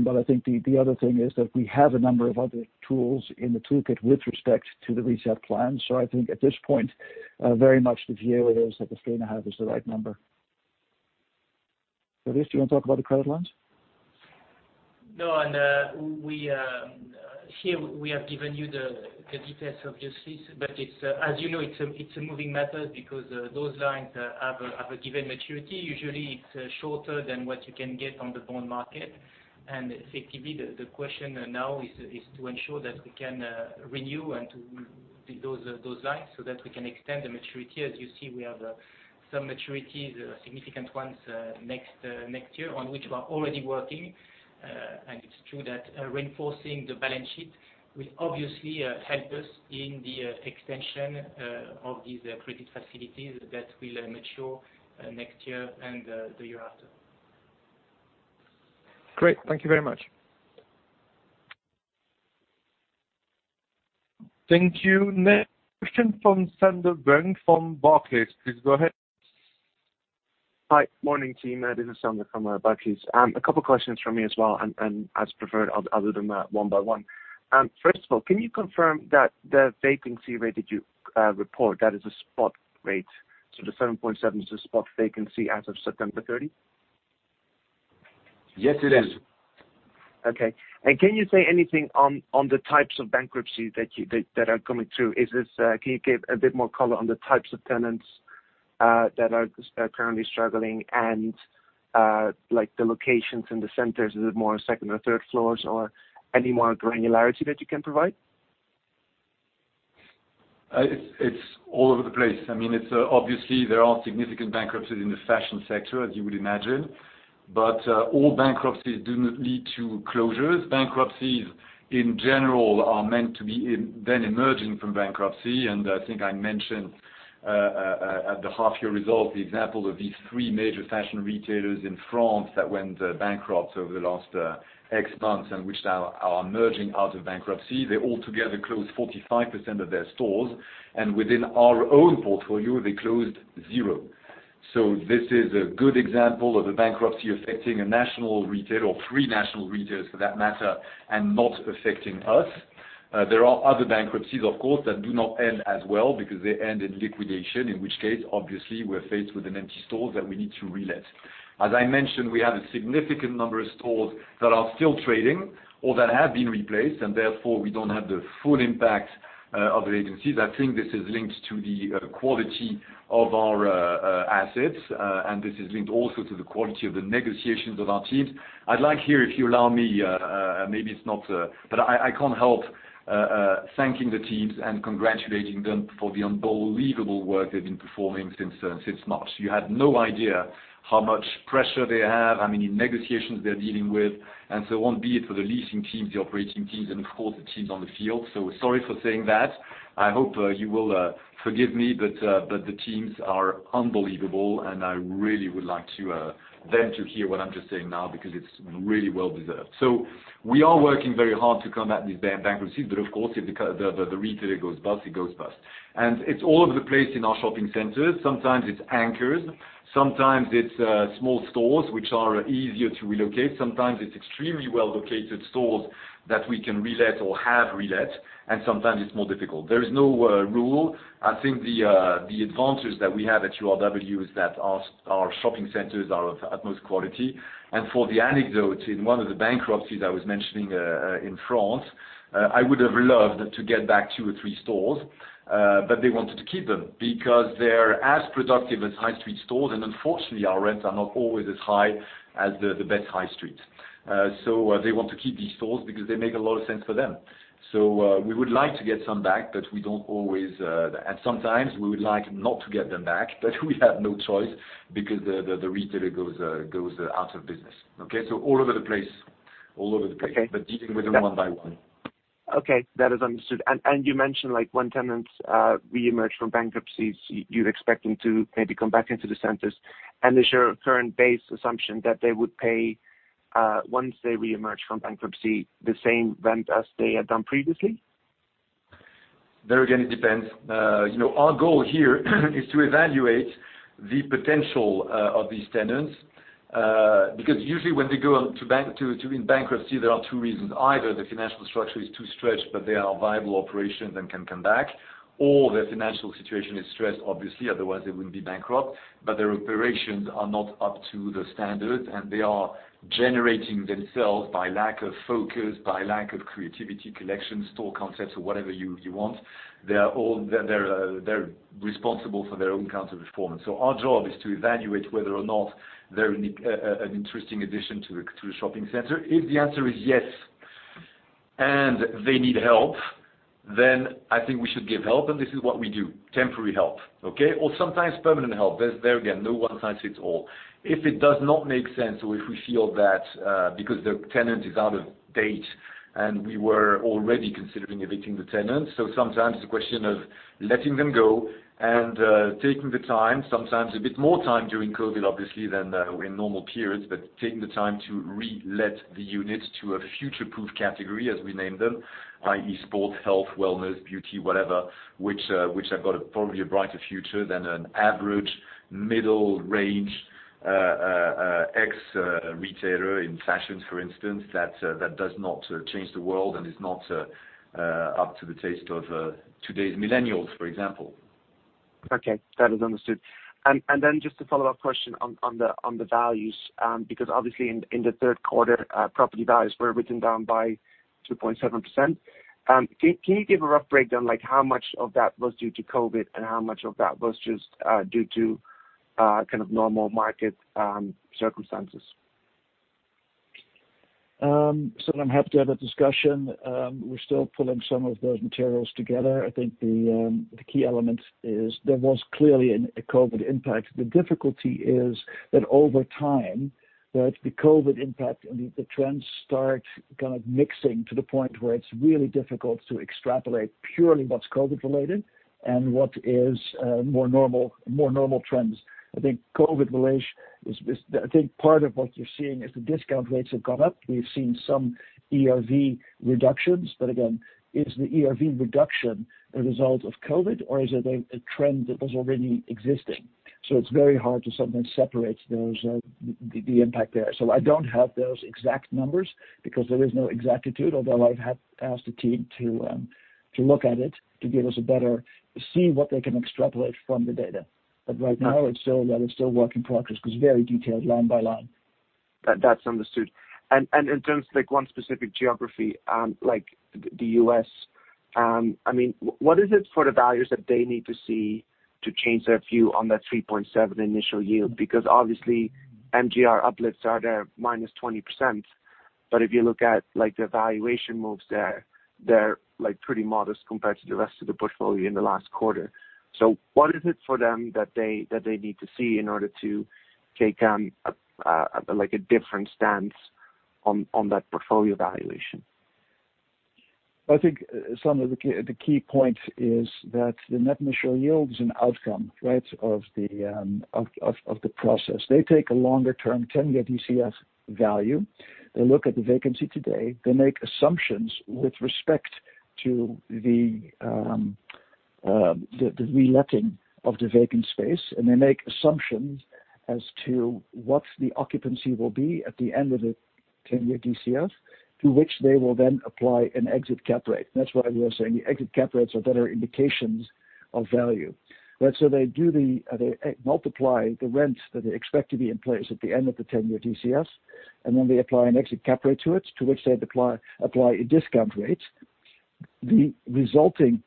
but I think the other thing is that we have a number of other tools in the toolkit with respect to the RESET Plan. So I think at this point, very much the view is that the EUR 3.5 billion is the right number. Fabrice, do you want to talk about the credit lines? No, and we here we have given you the details of this lease, but it's, as you know, it's a moving method, because those lines have a given maturity. Usually, it's shorter than what you can get on the bond market. And effectively, the question now is to ensure that we can renew and to those lines, so that we can extend the maturity. As you see, we have some maturities, significant ones, next year, on which we are already working. And it's true that reinforcing the balance sheet will obviously help us in the extension of these credit facilities that will mature next year and the year after. Great, thank you very much. Thank you. Next question from Sander Bunck from Barclays. Please go ahead. Hi. Morning, team. This is Sander from Barclays. A couple questions from me as well, and as preferred, other than that, one by one. First of all, can you confirm that the vacancy rate that you report, that is a spot rate? So the 7.7% is the spot vacancy as of September 3? Yes, it is. Okay. And can you say anything on the types of bankruptcies that are coming through? Can you give a bit more color on the types of tenants that are currently struggling and, like the locations and the centers, is it more second or third floors, or any more granularity that you can provide? It's all over the place. I mean, it's obviously there are significant bankruptcies in the fashion sector, as you would imagine, but all bankruptcies do not lead to closures. Bankruptcies, in general, are meant to be in, then emerging from bankruptcy, and I think I mentioned at the half year results, the example of these three major fashion retailers in France that went bankrupt over the last X months, and which now are emerging out of bankruptcy. They altogether closed 45% of their stores, and within our own portfolio, they closed zero. So this is a good example of a bankruptcy affecting a national retailer, or three national retailers for that matter, and not affecting us. There are other bankruptcies, of course, that do not end as well, because they end in liquidation, in which case, obviously, we're faced with an empty store that we need to relet. As I mentioned, we have a significant number of stores that are still trading or that have been replaced, and therefore we don't have the full impact of the vacancies. I think this is linked to the quality of our assets, and this is linked also to the quality of the negotiations of our teams. I'd like here, if you allow me. But I can't help thanking the teams and congratulating them for the unbelievable work they've been performing since March. You have no idea how much pressure they have, how many negotiations they're dealing with, and so on, be it for the leasing teams, the operating teams, and of course, the teams on the field. So sorry for saying that. I hope you will forgive me, but the teams are unbelievable, and I really would like to them to hear what I'm just saying now, because it's really well deserved. So we are working very hard to combat these bankruptcies, but of course, if the retailer goes bust, it goes bust. And it's all over the place in our shopping centers. Sometimes it's anchors, sometimes it's small stores, which are easier to relocate, sometimes it's extremely well-located stores that we can relet or have relet, and sometimes it's more difficult. There is no rule. I think the advantage that we have at URW is that our shopping centers are of utmost quality. And for the anecdote, in one of the bankruptcies I was mentioning, in France, I would have loved to get back two or three stores, but they wanted to keep them, because they're as productive as high street stores, and unfortunately, our rents are not always as high as the best high street, so they want to keep these stores because they make a lot of sense for them. So we would like to get some back, but we don't always, and sometimes we would like not to get them back, but we have no choice because the retailer goes out of business. Okay? So all over the place. All over the place. Okay. But dealing with them one by one. Okay, that is understood. And, and you mentioned, like, when tenants reemerge from bankruptcies, you're expecting to maybe come back into the centers, and is your current base assumption that they would pay, once they reemerge from bankruptcy, the same rent as they had done previously? There again, it depends. You know, our goal here is to evaluate the potential of these tenants, because usually when they go into bankruptcy, there are two reasons. Either the financial structure is too stretched, but they are viable operations and can come back, or their financial situation is stressed, obviously, otherwise they wouldn't be bankrupt, but their operations are not up to the standard, and they are generating themselves by lack of focus, by lack of creativity, collection, store concepts, or whatever you want. They are all. They're responsible for their own underperformance. So our job is to evaluate whether or not they're an interesting addition to the shopping center. If the answer is yes, and they need help, then I think we should give help, and this is what we do. Temporary help, okay? Or sometimes permanent help. There's, there again, no one-size-fits-all. If it does not make sense, or if we feel that, because the tenant is out of date, and we were already considering evicting the tenant, so sometimes it's a question of letting them go and, taking the time, sometimes a bit more time during COVID, obviously, than, in normal periods, but taking the time to re-let the unit to a future-proof category, as we name them, i.e., sport, health, wellness, beauty, whatever, which have got probably a brighter future than an average middle range, ex-retailer in fashion, for instance, that does not up to the taste of, today's millennials, for example. Okay, that is understood. And then just a follow-up question on the values, because obviously in the third quarter, property values were written down by 2.7%. Can you give a rough breakdown, like, how much of that was due to COVID, and how much of that was just due to kind of normal market circumstances? So I'm happy to have a discussion. We're still pulling some of those materials together. I think the key element is there was clearly a COVID impact. The difficulty is that over time, the COVID impact and the trends start kind of mixing to the point where it's really difficult to extrapolate purely what's COVID related and what is more normal trends. I think COVID relation is part of what you're seeing is the discount rates have gone up. We've seen some ERV reductions, but again, is the ERV reduction a result of COVID, or is it a trend that was already existing? So it's very hard to sometimes separate those the impact there. So I don't have those exact numbers, because there is no exactitude, although I've asked the team to look at it, to give us a better... see what they can extrapolate from the data. But right now, it's still, that is still work in progress, because it's very detailed line by line. That, that's understood. And in terms of, like, one specific geography, like the U.S., I mean, what is it for the values that they need to see to change their view on that 3.7 initial yield? Because obviously, MGR uplifts are there minus 20%, but if you look at, like, the valuation moves there, they're, like, pretty modest compared to the rest of the portfolio in the last quarter. So what is it for them that they need to see in order to take, like a different stance on that portfolio valuation? I think some of the key points is that the net initial yield is an outcome, right, of the process. They take a longer-term ten-year DCF value. They look at the vacancy today. They make assumptions with respect to the reletting of the vacant space, and they make assumptions as to what the occupancy will be at the end of the 10 year DCF, to which they will then apply an exit cap rate. That's why we are saying the exit cap rates are better indications of value, right? So they do the, they multiply the rent that they expect to be in place at the end of the ten-year DCF, and then they apply an exit cap rate to it, to which they apply a discount rate. The resulting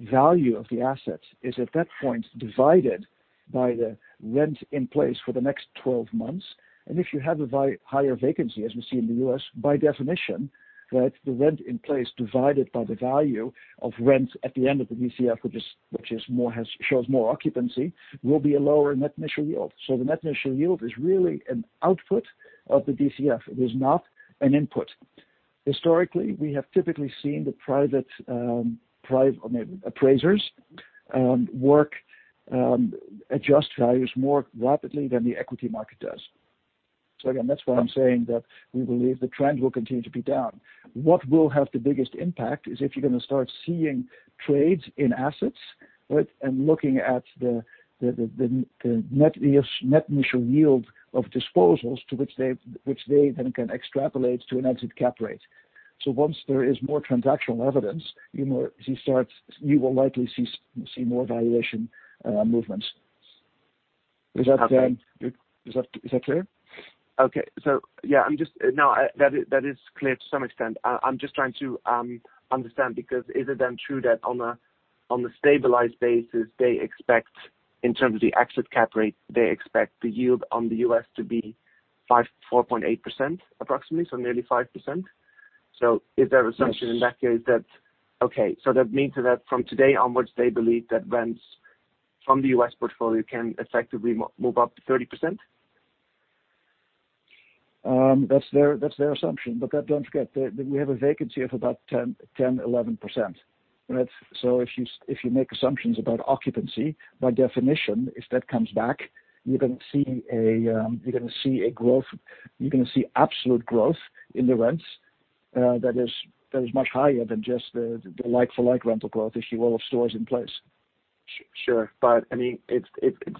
value of the asset is, at that point, divided by the rent in place for the next 12 months, and if you have a higher vacancy, as we see in the U.S., by definition, right, the rent in place divided by the value of rent at the end of the DCF, which shows more occupancy, will be a lower net initial yield. So the net initial yield is really an output of the DCF. It is not an input. Historically, we have typically seen the private appraisers work adjust values more rapidly than the equity market does. So again, that's why I'm saying that we believe the trend will continue to be down. What will have the biggest impact is if you're gonna start seeing trades in assets, right? Looking at the net initial yield of disposals to which they've, which they then can extrapolate to an exit cap rate. So once there is more transactional evidence, you know, you will likely see more valuation movements. Is that Okay. Is that clear? Okay. So yeah, I'm just... No, that is clear to some extent. I'm just trying to understand, because is it then true that on the stabilized basis, they expect, in terms of the exit cap rate, they expect the yield on the U.S. to be 4.8% approximately, so nearly 5%. So is there assumption- Yes. Okay, so that means that from today onwards, they believe that rents from the U.S. portfolio can effectively move up to 30%? That's their, that's their assumption. But that, don't forget, that we have a vacancy of about 10%-11%, right? So if you make assumptions about occupancy, by definition, if that comes back, you're gonna see a growth, you're gonna see absolute growth in the rents, that is, that is much higher than just the, the like-for-like rental growth issue, all the stores in place. Sure. But I mean,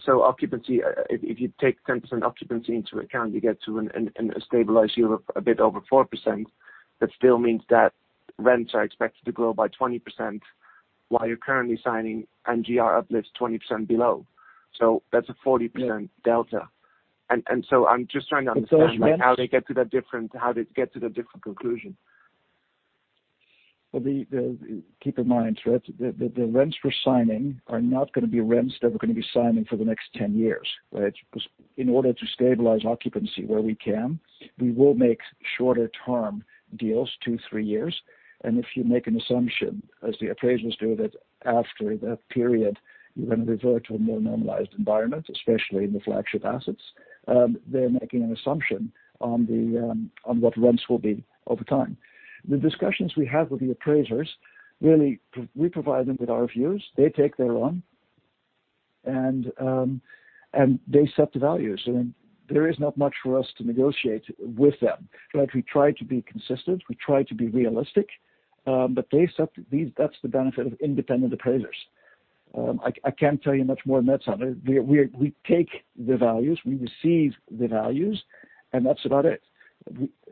so occupancy, if you take 10% occupancy into account, you get to a stabilized yield of a bit over 4%. That still means that rents are expected to grow by 20%, while you're currently signing MGR uplifts 20% below. So that's a 40%- Yeah. -delta. And so I'm just trying to understand- Those rents- like, how they get to that different conclusion. Keep in mind, right, the rents we're signing are not gonna be rents that we're gonna be signing for the next 10 years, right? Because in order to stabilize occupancy where we can, we will make shorter term deals, two, three years. And if you make an assumption, as the appraisers do, that after that period, you're gonna revert to a more normalized environment, especially in the flagship assets, they're making an assumption on what rents will be over time. The discussions we have with the appraisers, really, we provide them with our views, they take their own, and they set the values. And there is not much for us to negotiate with them. Right, we try to be consistent, we try to be realistic, but they set the. That's the benefit of independent appraisers. I can't tell you much more than that, sir. We take the values, we receive the values, and that's about it.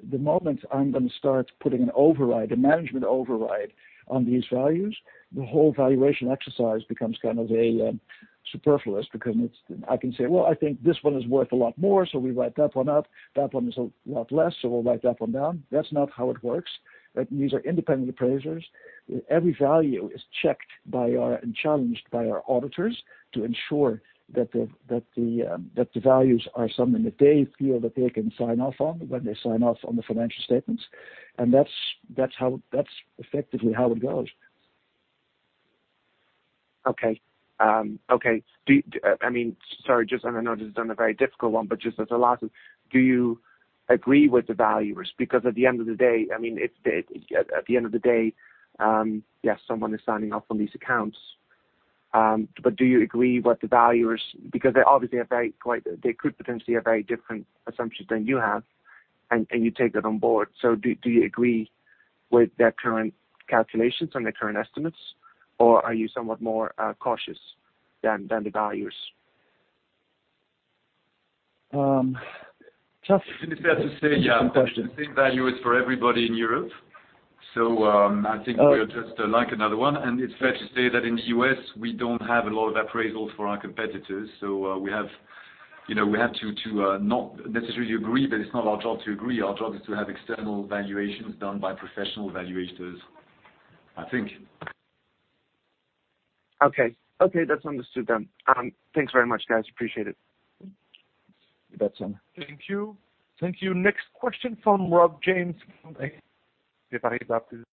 The moment I'm gonna start putting an override, a management override on these values, the whole valuation exercise becomes kind of a superfluous, because I can say, "Well, I think this one is worth a lot more, so we write that one up. That one is a lot less, so we'll write that one down." That's not how it works. Right, these are independent appraisers. Every value is checked by our and challenged by our auditors, to ensure that the values are something that they feel that they can sign off on when they sign off on the financial statements, and that's effectively how it goes. Okay. I mean, sorry, just, and I know this is a very difficult one, but just as a last one, do you agree with the valuers? Because at the end of the day, I mean, yes, someone is signing off on these accounts. But do you agree what the valuers? Because they obviously have very different assumptions than you have, and you take that on board. So do you agree with their current calculations and their current estimates, or are you somewhat more cautious than the valuers? Um, just- It's fair to say, yeah, the same value is for everybody in Europe. So, I think we are just like another one, and it's fair to say that in the U.S., we don't have a lot of appraisals for our competitors. So, we have, you know, we have to not necessarily agree, but it's not our job to agree. Our job is to have external valuations done by professional valuators, I think. Okay. Okay, that's understood then. Thanks very much, guys. Appreciate it. You bet, sir. Thank you. Thank you. Next question from Rob Jones from Exane.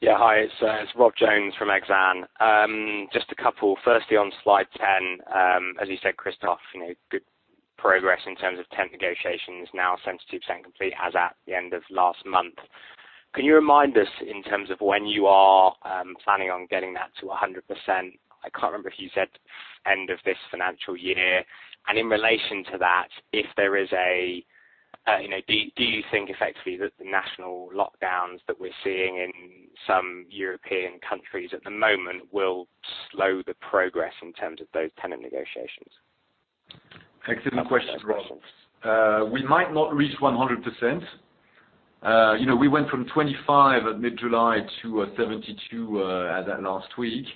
Yeah, hi, it's Rob Jones from Exane. Just a couple. Firstly, on slide 10, as you said, Christophe, you know, good progress in terms of tenant negotiations, now 72% complete as at the end of last month. Can you remind us in terms of when you are planning on getting that to 100%? I can't remember if you said end of this financial year. And in relation to that, you know, do you think effectively that the national lockdowns that we're seeing in some European countries at the moment will slow the progress in terms of those tenant negotiations? Excellent question, Rob. Thanks for those questions. We might not reach 100%. You know, we went from 25 at mid-July to 72 as at last week.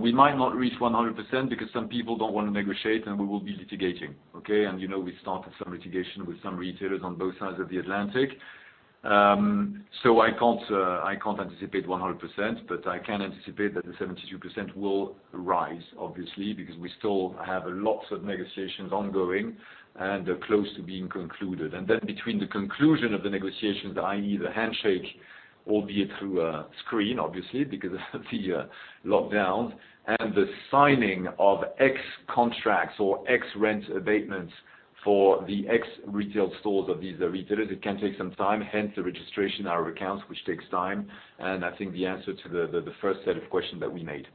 We might not reach 100% because some people don't wanna negotiate, and we will be litigating, okay, and you know, we started some litigation with some retailers on both sides of the Atlantic, so I can't, I can't anticipate 100%, but I can anticipate that the 72% will rise, obviously, because we still have lots of negotiations ongoing and close to being concluded. Then between the conclusion of the negotiations, i.e., the handshake, albeit through a screen, obviously, because of the lockdowns, and the signing of X contracts or X rent abatements for the X retail stores of these retailers, it can take some time, hence the registration, our accounts, which takes time, and I think the answer to the first set of questions that we made.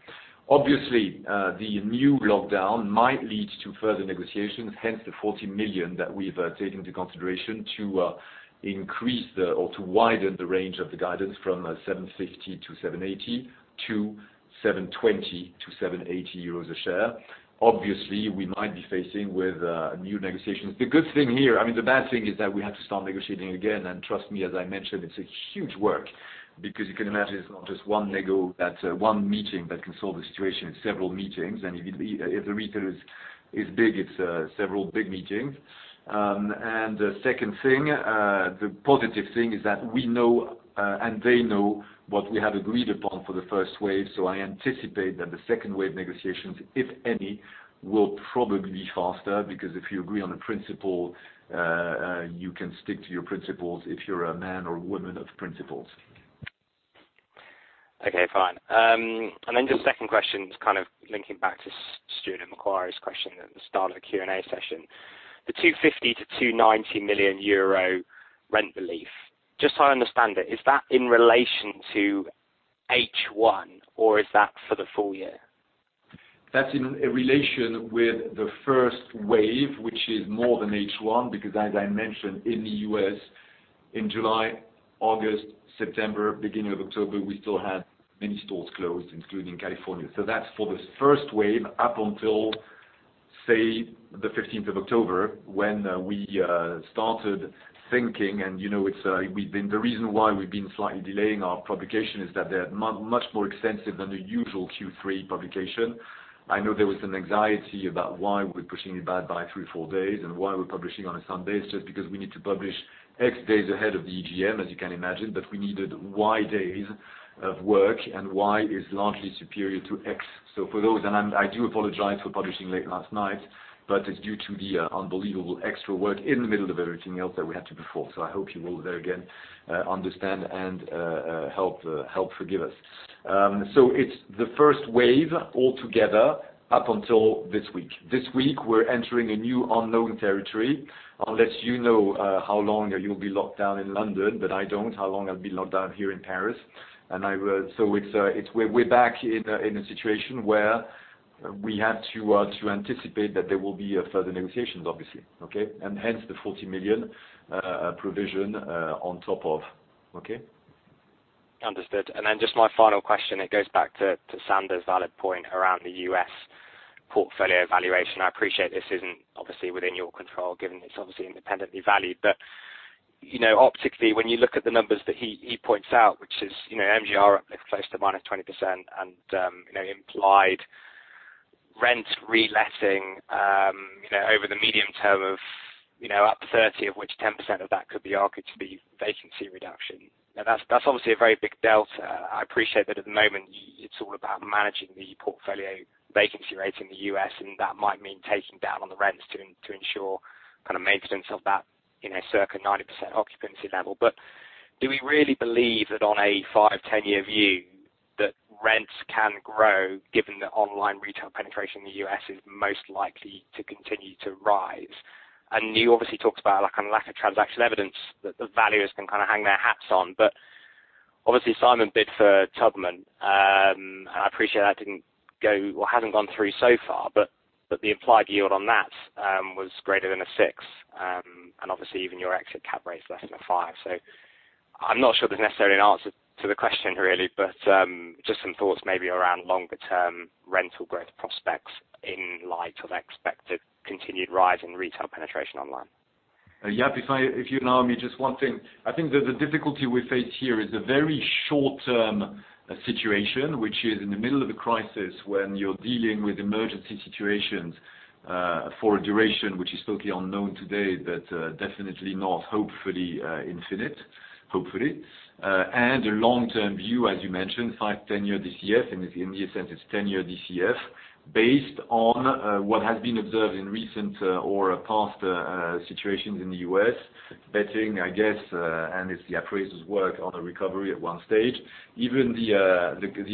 Obviously, the new lockdown might lead to further negotiations, hence the 40 million that we've taken into consideration to increase, or to widen the range of the guidance from 7.50-7.80, to 7.20-7.80 euros a share. Obviously, we might be facing with new negotiations. The good thing here... I mean, the bad thing is that we have to start negotiating again, and trust me, as I mentioned, it's a huge work... because you can imagine it's not just one nego, that one meeting that can solve the situation, it's several meetings. And if, if the retailer is big, it's several big meetings. And the second thing, the positive thing is that we know and they know what we have agreed upon for the first wave. So I anticipate that the second wave negotiations, if any, will probably be faster because if you agree on a principle, you can stick to your principles, if you're a man or woman of principles. Okay, fine. Then just second question, just kind of linking back to Stuart at Macquarie's question at the start of the Q&A session. The 250 million-290 million euro rent relief, just so I understand it, is that in relation to H1, or is that for the full year? That's in relation with the first wave, which is more than H1, because as I mentioned, in the U.S., in July, August, September, beginning of October, we still had many stores closed, including California. So that's for the first wave, up until, say, the 15th of October, when we started thinking, and, you know, it's, we've been-- the reason why we've been slightly delaying our publication is that they are much more extensive than the usual Q3 publication. I know there was some anxiety about why we're pushing it back by three, four days, and why we're publishing on a Sunday. It's just because we need to publish X days ahead of the EGM, as you can imagine, but we needed Y days of work, and Y is largely superior to X. So for those, and I'm, I do apologize for publishing late last night, but it's due to the unbelievable extra work in the middle of everything else that we had to perform. So I hope you will there again understand and help forgive us. So it's the first wave altogether up until this week. This week, we're entering a new unknown territory. Unless you know how long you'll be locked down in London, but I don't how long I'll be locked down here in Paris. So it's we're back in a situation where we had to anticipate that there will be a further negotiations, obviously, okay? And hence the 40 million provision on top of, okay? Understood. And then just my final question, it goes back to Sander's valid point around the U.S. portfolio valuation. I appreciate this isn't obviously within your control, given it's obviously independently valued. But, you know, optically, when you look at the numbers that he points out, which is, you know, MGR uplifts close to -20% and, you know, implied rent reletting, you know, over the medium term of, you know, up 30%, of which 10% of that could be argued to be vacancy reduction. Now, that's obviously a very big delta. I appreciate that at the moment, it's all about managing the portfolio vacancy rates in the U.S., and that might mean taking down on the rents to ensure kind of maintenance of that, you know, circa 90% occupancy level. Do we really believe that on a five, 10-year view, that rents can grow, given the online retail penetration in the U.S. is most likely to continue to rise? And you obviously talked about, like, a lack of transactional evidence that the valuers can kind of hang their hats on. But obviously, Simon bid for Taubman. I appreciate that didn't go, or hasn't gone through so far, but the implied yield on that was greater than a six. And obviously, even your exit cap rate is less than a five. So I'm not sure there's necessarily an answer to the question, really, but just some thoughts maybe around longer term rental growth prospects in light of expected continued rise in retail penetration online. Yep. If you allow me, just one thing. I think that the difficulty we face here is a very short-term situation, which is in the middle of a crisis when you're dealing with emergency situations, for a duration, which is totally unknown today, but, definitely not, hopefully, infinite, hopefully, and a long-term view, as you mentioned, five, 10-year DCF, and in this sense, it's 10-year DCF, based on, what has been observed in recent, or past, situations in the US, betting, I guess, and it's the appraiser's work on a recovery at one stage. Even the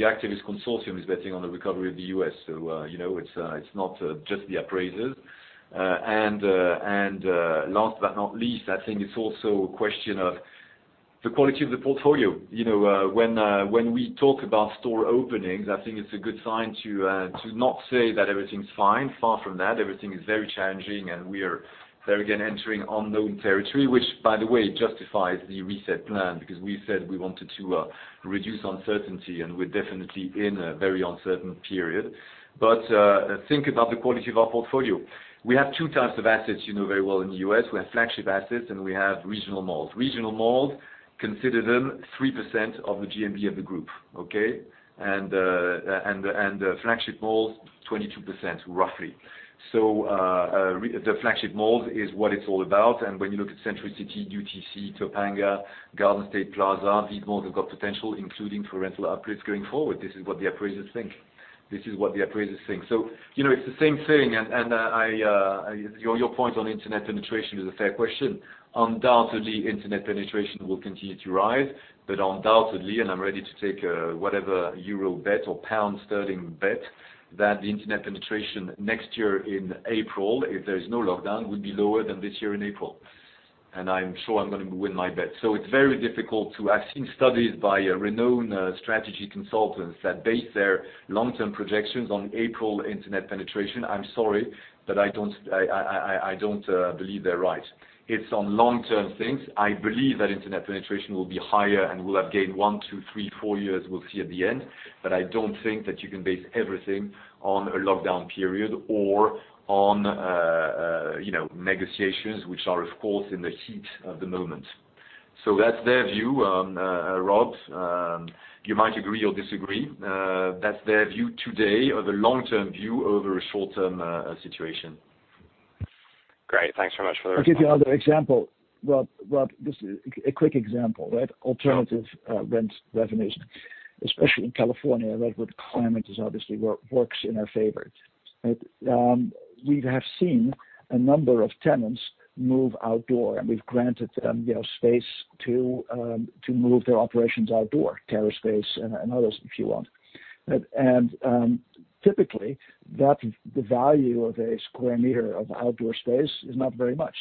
activist consortium is betting on the recovery of the U.S.. So, you know, it's not just the appraisers. Last but not least, I think it's also a question of the quality of the portfolio. You know, when we talk about store openings, I think it's a good sign to not say that everything's fine. Far from that, everything is very challenging, and we are, there again, entering unknown territory, which, by the way, justifies the Reset Plan, because we said we wanted to reduce uncertainty, and we're definitely in a very uncertain period. But think about the quality of our portfolio. We have two types of assets, you know very well, in the U.S. We have flagship assets, and we have regional malls. Regional malls, consider them 3% of the GMV of the group, okay? And the flagship malls, 22%, roughly. So, the flagship malls is what it's all about. And when you look at Century City, UTC, Topanga, Garden State Plaza, these malls have got potential, including for rental uplifts going forward. This is what the appraisers think. This is what the appraisers think. So, you know, it's the same thing. And I, your point on internet penetration is a fair question. Undoubtedly, internet penetration will continue to rise, but undoubtedly, and I'm ready to take whatever euro bet or pound sterling bet, that the internet penetration next year in April, if there is no lockdown, will be lower than this year in April. And I'm sure I'm going to win my bet. So it's very difficult to... I've seen studies by a renowned strategy consultants that base their long-term projections on April internet penetration. I'm sorry, but I don't believe they're right. It's on long-term things. I believe that internet penetration will be higher and will have gained one, two, three, four years, we'll see at the end. But I don't think that you can base everything on a lockdown period or on you know, negotiations, which are, of course, in the heat of the moment. So that's their view, Rob, you might agree or disagree. That's their view today, or the long-term view over a short-term situation. Great, thanks very much for the response. I'll give you another example. This is a quick example, right? Alternative rent revenues, especially in California, right, where the climate is obviously works in our favor, right? We have seen a number of tenants move outdoor, and we've granted them, you know, space to move their operations outdoor, terrace space and others, if you want. But typically, that the value of a square meter of outdoor space is not very much,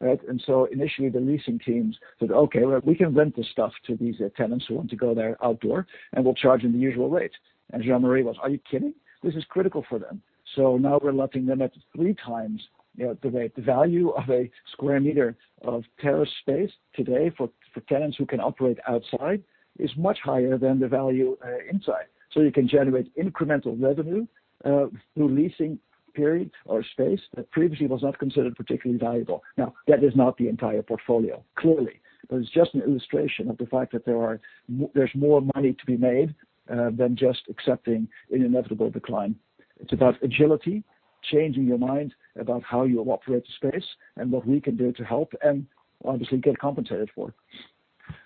right? And so initially the leasing teams said, "Okay, well, we can rent this stuff to these tenants who want to go there outdoor, and we'll charge them the usual rate." And Jean-Marie goes: "Are you kidding? This is critical for them." So now we're letting them out at three times, you know, the rate. The value of a square meter of terrace space today for tenants who can operate outside is much higher than the value inside. So you can generate incremental revenue through leasing perimeter or space that previously was not considered particularly valuable. Now, that is not the entire portfolio, clearly, but it's just an illustration of the fact that there's more money to be made than just accepting an inevitable decline. It's about agility, changing your mind about how you operate the space, and what we can do to help, and obviously get compensated for it.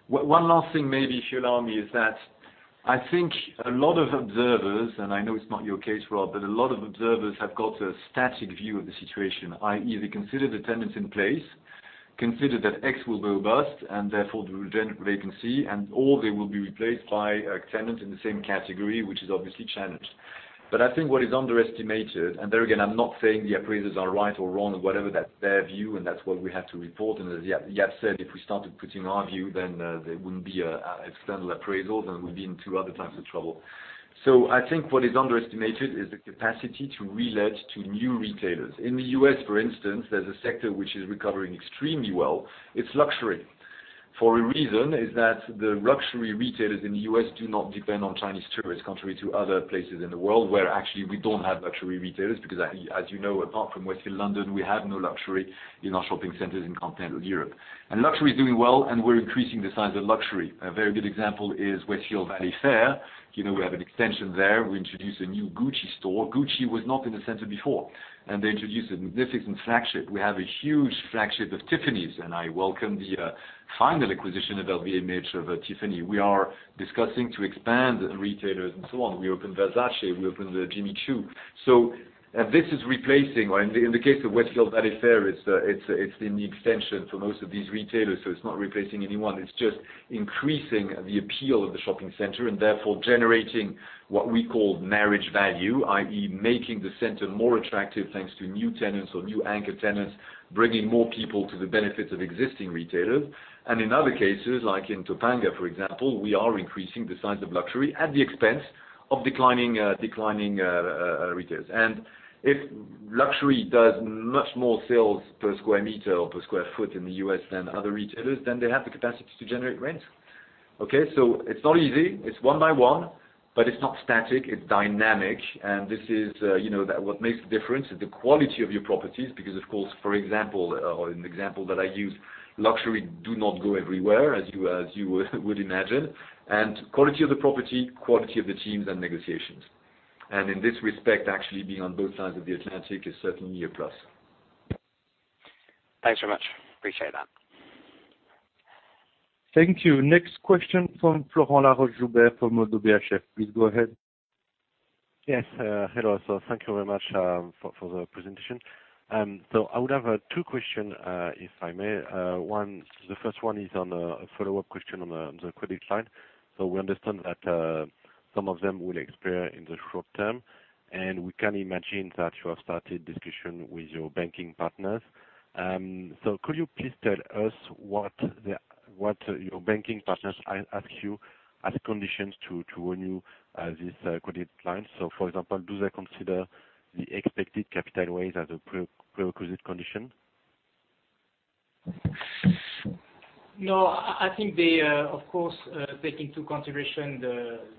One last thing, maybe, if you allow me, is that I think a lot of observers, and I know it's not your case, Rob, but a lot of observers have got a static view of the situation, i.e., they consider the tenants in place, consider that X will go bust and therefore there will generate vacancy, and all they will be replaced by a tenant in the same category, which is obviously challenged. But I think what is underestimated, and there again, I'm not saying the appraisers are right or wrong or whatever, that's their view, and that's what we have to report. And as Jaap said, if we started putting our view, then there wouldn't be a external appraisal, then we'd be in two other types of trouble. So I think what is underestimated is the capacity to relet to new retailers. In the U.S., for instance, there's a sector which is recovering extremely well. It's luxury. For a reason, is that the luxury retailers in the U.S. do not depend on Chinese tourists, contrary to other places in the world, where actually we don't have luxury retailers. Because, as you know, apart from Westfield London, we have no luxury in our shopping centers in continental Europe. Luxury is doing well, and we're increasing the size of luxury. A very good example is Westfield Valley Fair. You know, we have an extension there. We introduced a new Gucci store. Gucci was not in the center before, and they introduced a magnificent flagship. We have a huge flagship of Tiffany's, and I welcome the final acquisition of LVMH over Tiffany. We are discussing to expand the retailers and so on. We opened Versace, we opened Jimmy Choo. This is replacing, or in the case of Westfield Valley Fair, it's in the extension for most of these retailers, so it's not replacing anyone. It's just increasing the appeal of the shopping center and therefore generating what we call marriage value, i.e., making the center more attractive thanks to new tenants or new anchor tenants, bringing more people to the benefit of existing retailers. In other cases, like in Topanga, for example, we are increasing the size of luxury at the expense of declining retailers. If luxury does much more sales per square meter or per square foot in the U.S. than other retailers, then they have the capacity to generate rent. Okay, so it's not easy. It's one by one, but it's not static, it's dynamic. And this is, you know, that what makes the difference is the quality of your properties, because of course, for example, or an example that I use, luxury do not go everywhere, as you would imagine, and quality of the property, quality of the teams and negotiations. And in this respect, actually, being on both sides of the Atlantic is certainly a plus. Thanks very much. Appreciate that. Thank you. Next question from Florent Laroche-Joubert from ODDO BHF. Please go ahead. Yes, hello. So thank you very much for the presentation. So I would have two questions, if I may. One, the first one is on a follow-up question on the credit line. So we understand that some of them will expire in the short term, and we can imagine that you have started discussions with your banking partners. So could you please tell us what your banking partners ask you as conditions to renew this credit line? So, for example, do they consider the expected capital raise as a prerequisite condition? No, I think they, of course, take into consideration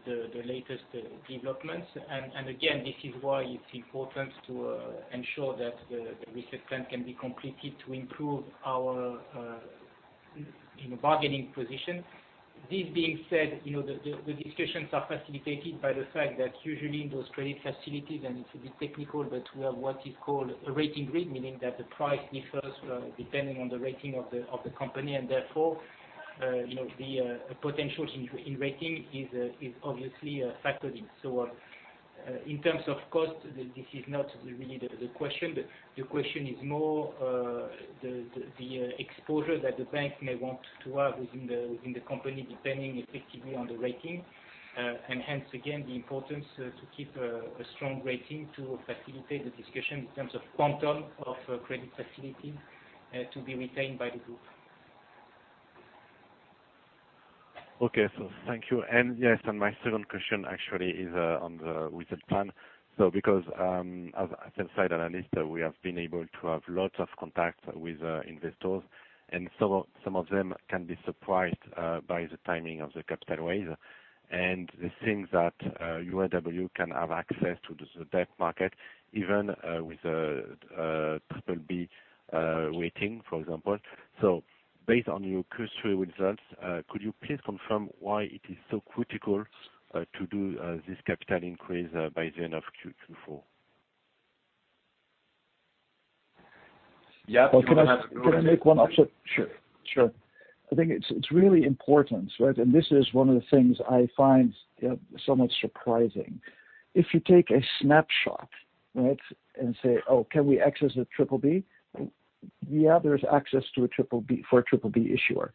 the latest developments, and again, this is why it's important to ensure that the Reset Plan can be completed to improve our, you know, bargaining position. This being said, you know, the discussions are facilitated by the fact that usually in those credit facilities, and it's a bit technical, but we have what is called a rating grid, meaning that the price differs depending on the rating of the company, and therefore, you know, the potential in rating is obviously a factor in, so in terms of cost, this is not really the question. The question is more the exposure that the bank may want to have within the company, depending effectively on the rating, and hence, again, the importance to keep a strong rating to facilitate the discussion in terms of quantum of credit facility to be retained by the group. Okay, so thank you. And yes, and my second question actually is on the Reset Plan. So because as a sell-side analyst, we have been able to have lots of contact with investors, and some of them can be surprised by the timing of the capital raise. And they think that URW can have access to the debt market, even with a triple B rating, for example. So based on your Q3 results, could you please confirm why it is so critical to do this capital increase by the end of Q4?... Yep. Can I, can I make one observation? Sure, sure. I think it's, it's really important, right? And this is one of the things I find somewhat surprising. If you take a snapshot, right, and say: Oh, can we access a triple B? Yeah, there's access to a triple B for a triple B issuer.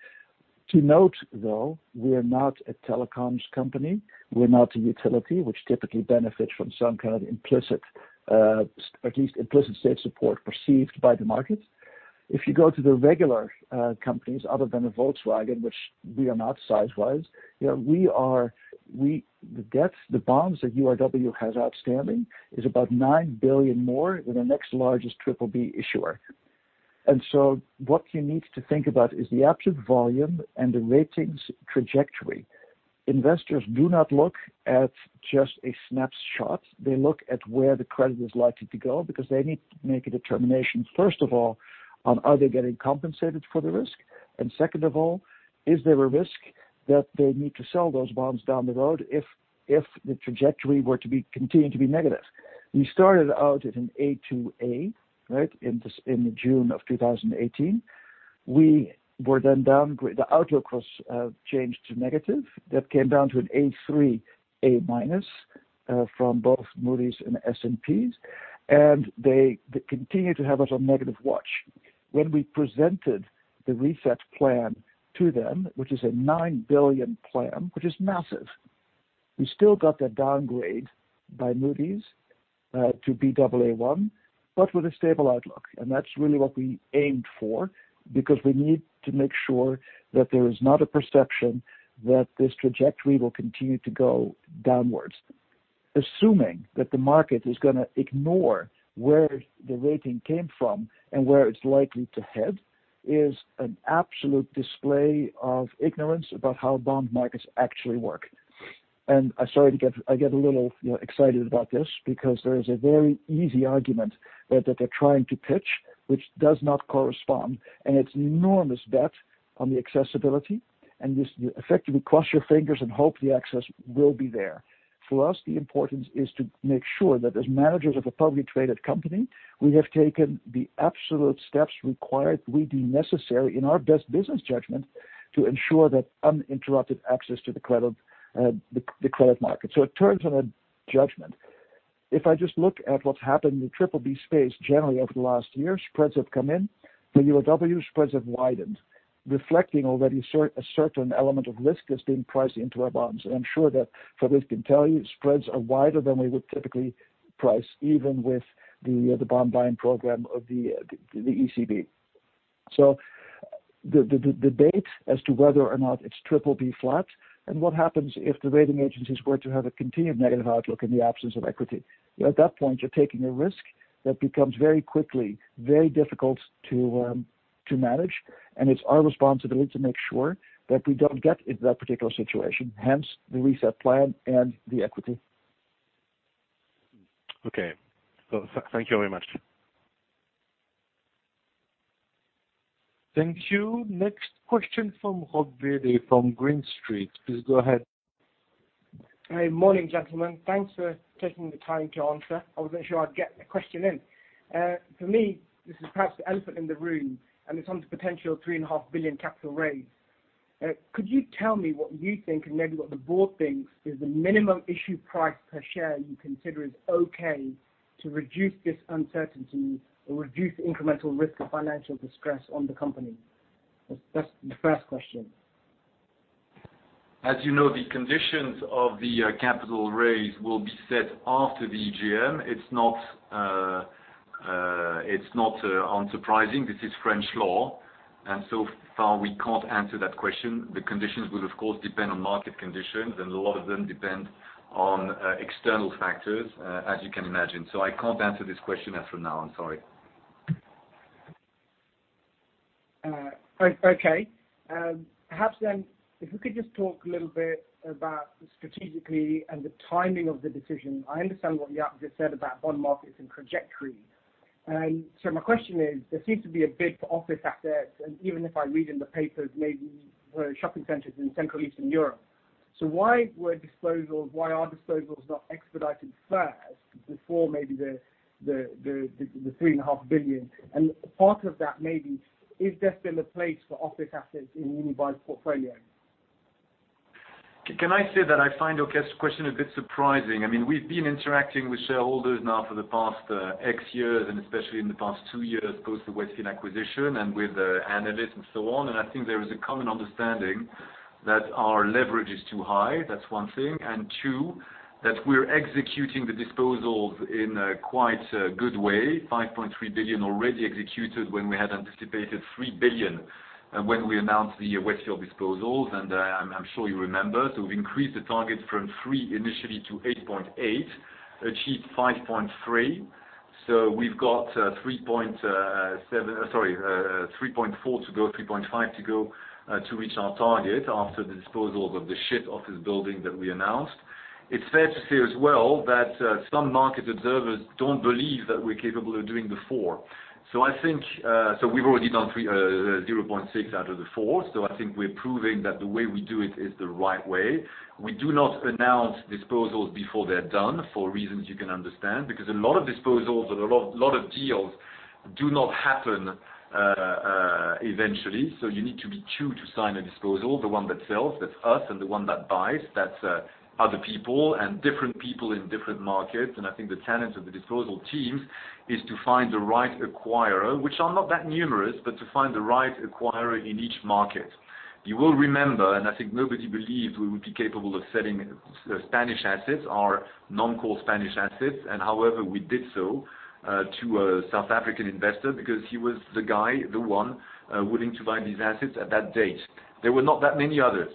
To note, though, we are not a telecoms company, we're not a utility, which typically benefits from some kind of implicit, at least implicit state support perceived by the market. If you go to the regular companies other than a Volkswagen, which we are not size-wise, you know, the debt, the bonds that URW has outstanding is about 9 billion more than the next largest triple B issuer. And so what you need to think about is the absolute volume and the ratings trajectory. Investors do not look at just a snapshot, they look at where the credit is likely to go, because they need to make a determination, first of all, on are they getting compensated for the risk? And second of all, is there a risk that they need to sell those bonds down the road if the trajectory were to continue to be negative? We started out at an A2/A, right? In June of 2018. We were then downgraded. The outlook was changed to negative. That came down to an A3, A-, from both Moody's and S&P's, and they continue to have us on negative watch. When we presented the Reset Plan to them, which is a 9 billion plan, which is massive, we still got that downgrade by Moody's to Baa1, but with a stable outlook. And that's really what we aimed for, because we need to make sure that there is not a perception that this trajectory will continue to go downwards. Assuming that the market is gonna ignore where the rating came from and where it's likely to head is an absolute display of ignorance about how bond markets actually work. And I'm sorry, I get a little, you know, excited about this, because there is a very easy argument that they're trying to pitch, which does not correspond, and it's an enormous bet on the accessibility, and you effectively cross your fingers and hope the access will be there. For us, the importance is to make sure that as managers of a publicly traded company, we have taken the absolute steps required, we deem necessary in our best business judgment, to ensure that uninterrupted access to the credit, the credit market. So it turns on a judgment. If I just look at what's happened in the triple B space, generally over the last year, spreads have come in. For URW, spreads have widened, reflecting already a certain element of risk that's being priced into our bonds. I'm sure that Fabrice can tell you, spreads are wider than we would typically price, even with the bond buying program of the ECB. So the debate as to whether or not it's triple B flat, and what happens if the rating agencies were to have a continued negative outlook in the absence of equity? At that point, you're taking a risk that becomes very quickly very difficult to manage, and it's our responsibility to make sure that we don't get into that particular situation, hence the Reset Plan and the equity. Okay. So thank you very much. Thank you. Next question from Rob Virdee, from Green Street. Please go ahead. Hi. Morning, gentlemen. Thanks for taking the time to answer. I wasn't sure I'd get the question in. For me, this is perhaps the elephant in the room, and it's on the potential 3.5 billion capital raise. Could you tell me what you think, and maybe what the board thinks, is the minimum issue price per share you consider is okay to reduce this uncertainty or reduce the incremental risk of financial distress on the company? That's, that's the first question. As you know, the conditions of the capital raise will be set after the EGM. It's not unsurprising. This is French law, and so far we can't answer that question. The conditions will, of course, depend on market conditions, and a lot of them depend on external factors, as you can imagine. So I can't answer this question as from now, I'm sorry. Okay. Perhaps then, if you could just talk a little bit about strategically and the timing of the decision. I understand what Jacques just said about bond markets and trajectories. So my question is: There seems to be a bid for office assets, and even if I read in the papers, maybe, shopping centers in Central and Eastern Europe, so why were disposals, why are disposals not expedited first before maybe the 3.5 billion? And part of that maybe, is there still a place for office assets in Unibail's portfolio? Can I say that I find your question a bit surprising. I mean, we've been interacting with shareholders now for the past six years, and especially in the past two years, post the Westfield acquisition and with analysts and so on, and I think there is a common understanding that our leverage is too high. That's one thing. And two, that we're executing the disposals in a quite good way, 5.3 billion already executed when we had anticipated 3 billion when we announced the Westfield disposals, and I'm sure you remember. So we've increased the target from 3 billion initially to 8.8 billion, achieved 5.3 billion. So we've got 3.4 to go, 3.5 to go, to reach our target after the disposals of the Shift Office building that we announced. It's fair to say as well that some market observers don't believe that we're capable of doing the four. So I think so we've already done 30.6 out of the four, so I think we're proving that the way we do it is the right way. We do not announce disposals before they're done, for reasons you can understand, because a lot of disposals and a lot of deals do not happen eventually, so you need to be two to sign a disposal, the one that sells, that's us, and the one that buys, that's other people, and different people in different markets. I think the talent of the disposal teams is to find the right acquirer, which are not that numerous, but to find the right acquirer in each market. You will remember, and I think nobody believed we would be capable of selling the Spanish assets, our non-core Spanish assets, and however, we did so to a South African investor because he was the guy, the one willing to buy these assets at that date. There were not that many others.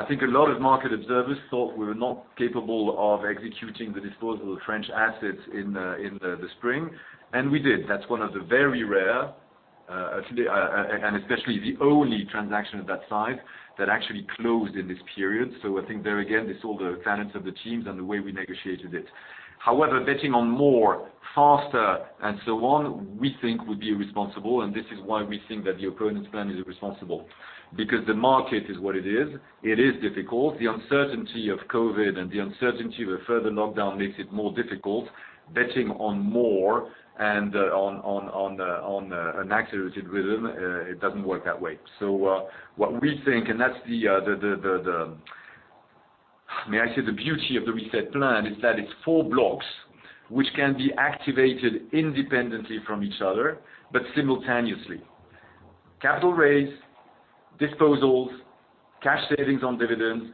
I think a lot of market observers thought we were not capable of executing the disposal of French assets in the spring, and we did. That's one of the very rare, actually, and especially the only transaction of that size that actually closed in this period. So I think there again, this all the talents of the teams and the way we negotiated it. However, betting on more, faster, and so on, we think would be irresponsible, and this is why we think that the opponent's plan is irresponsible. Because the market is what it is. It is difficult. The uncertainty of COVID and the uncertainty of a further lockdown makes it more difficult. Betting on more and on an accelerated rhythm, it doesn't work that way. So, what we think, and that's the beauty of the Reset Plan, is that it's four blocks, which can be activated independently from each other, but simultaneously. Capital raise, disposals, cash savings on dividends,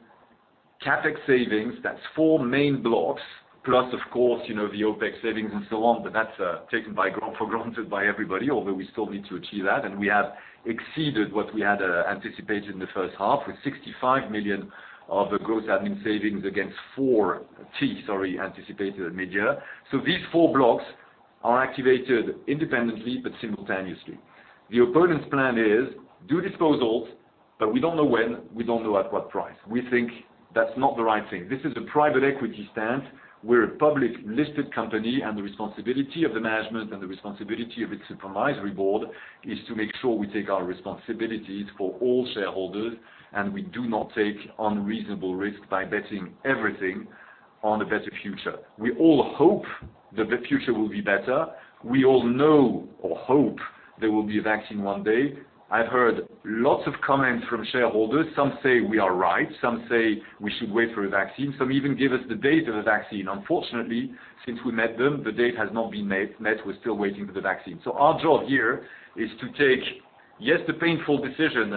CapEx savings, that's four main blocks, plus, of course, you know, the OpEx savings and so on. But that's taken for granted by everybody, although we still need to achieve that. And we have exceeded what we had anticipated in the first half, with 65 million of the gross admin savings against 40 million anticipated at mid-year. So these four blocks are activated independently but simultaneously. The opponent's plan is, do disposals, but we don't know when, we don't know at what price. We think that's not the right thing. This is a private equity stance. We're a public-listed company, and the responsibility of the management and the responsibility of its supervisory board, is to make sure we take our responsibilities for all shareholders, and we do not take unreasonable risk by betting everything on a better future. We all hope that the future will be better. We all know or hope there will be a vaccine one day. I've heard lots of comments from shareholders. Some say we are right, some say we should wait for a vaccine, some even give us the date of the vaccine. Unfortunately, since we met them, the date has not been met. We're still waiting for the vaccine. So our job here is to take, yes, the painful decision,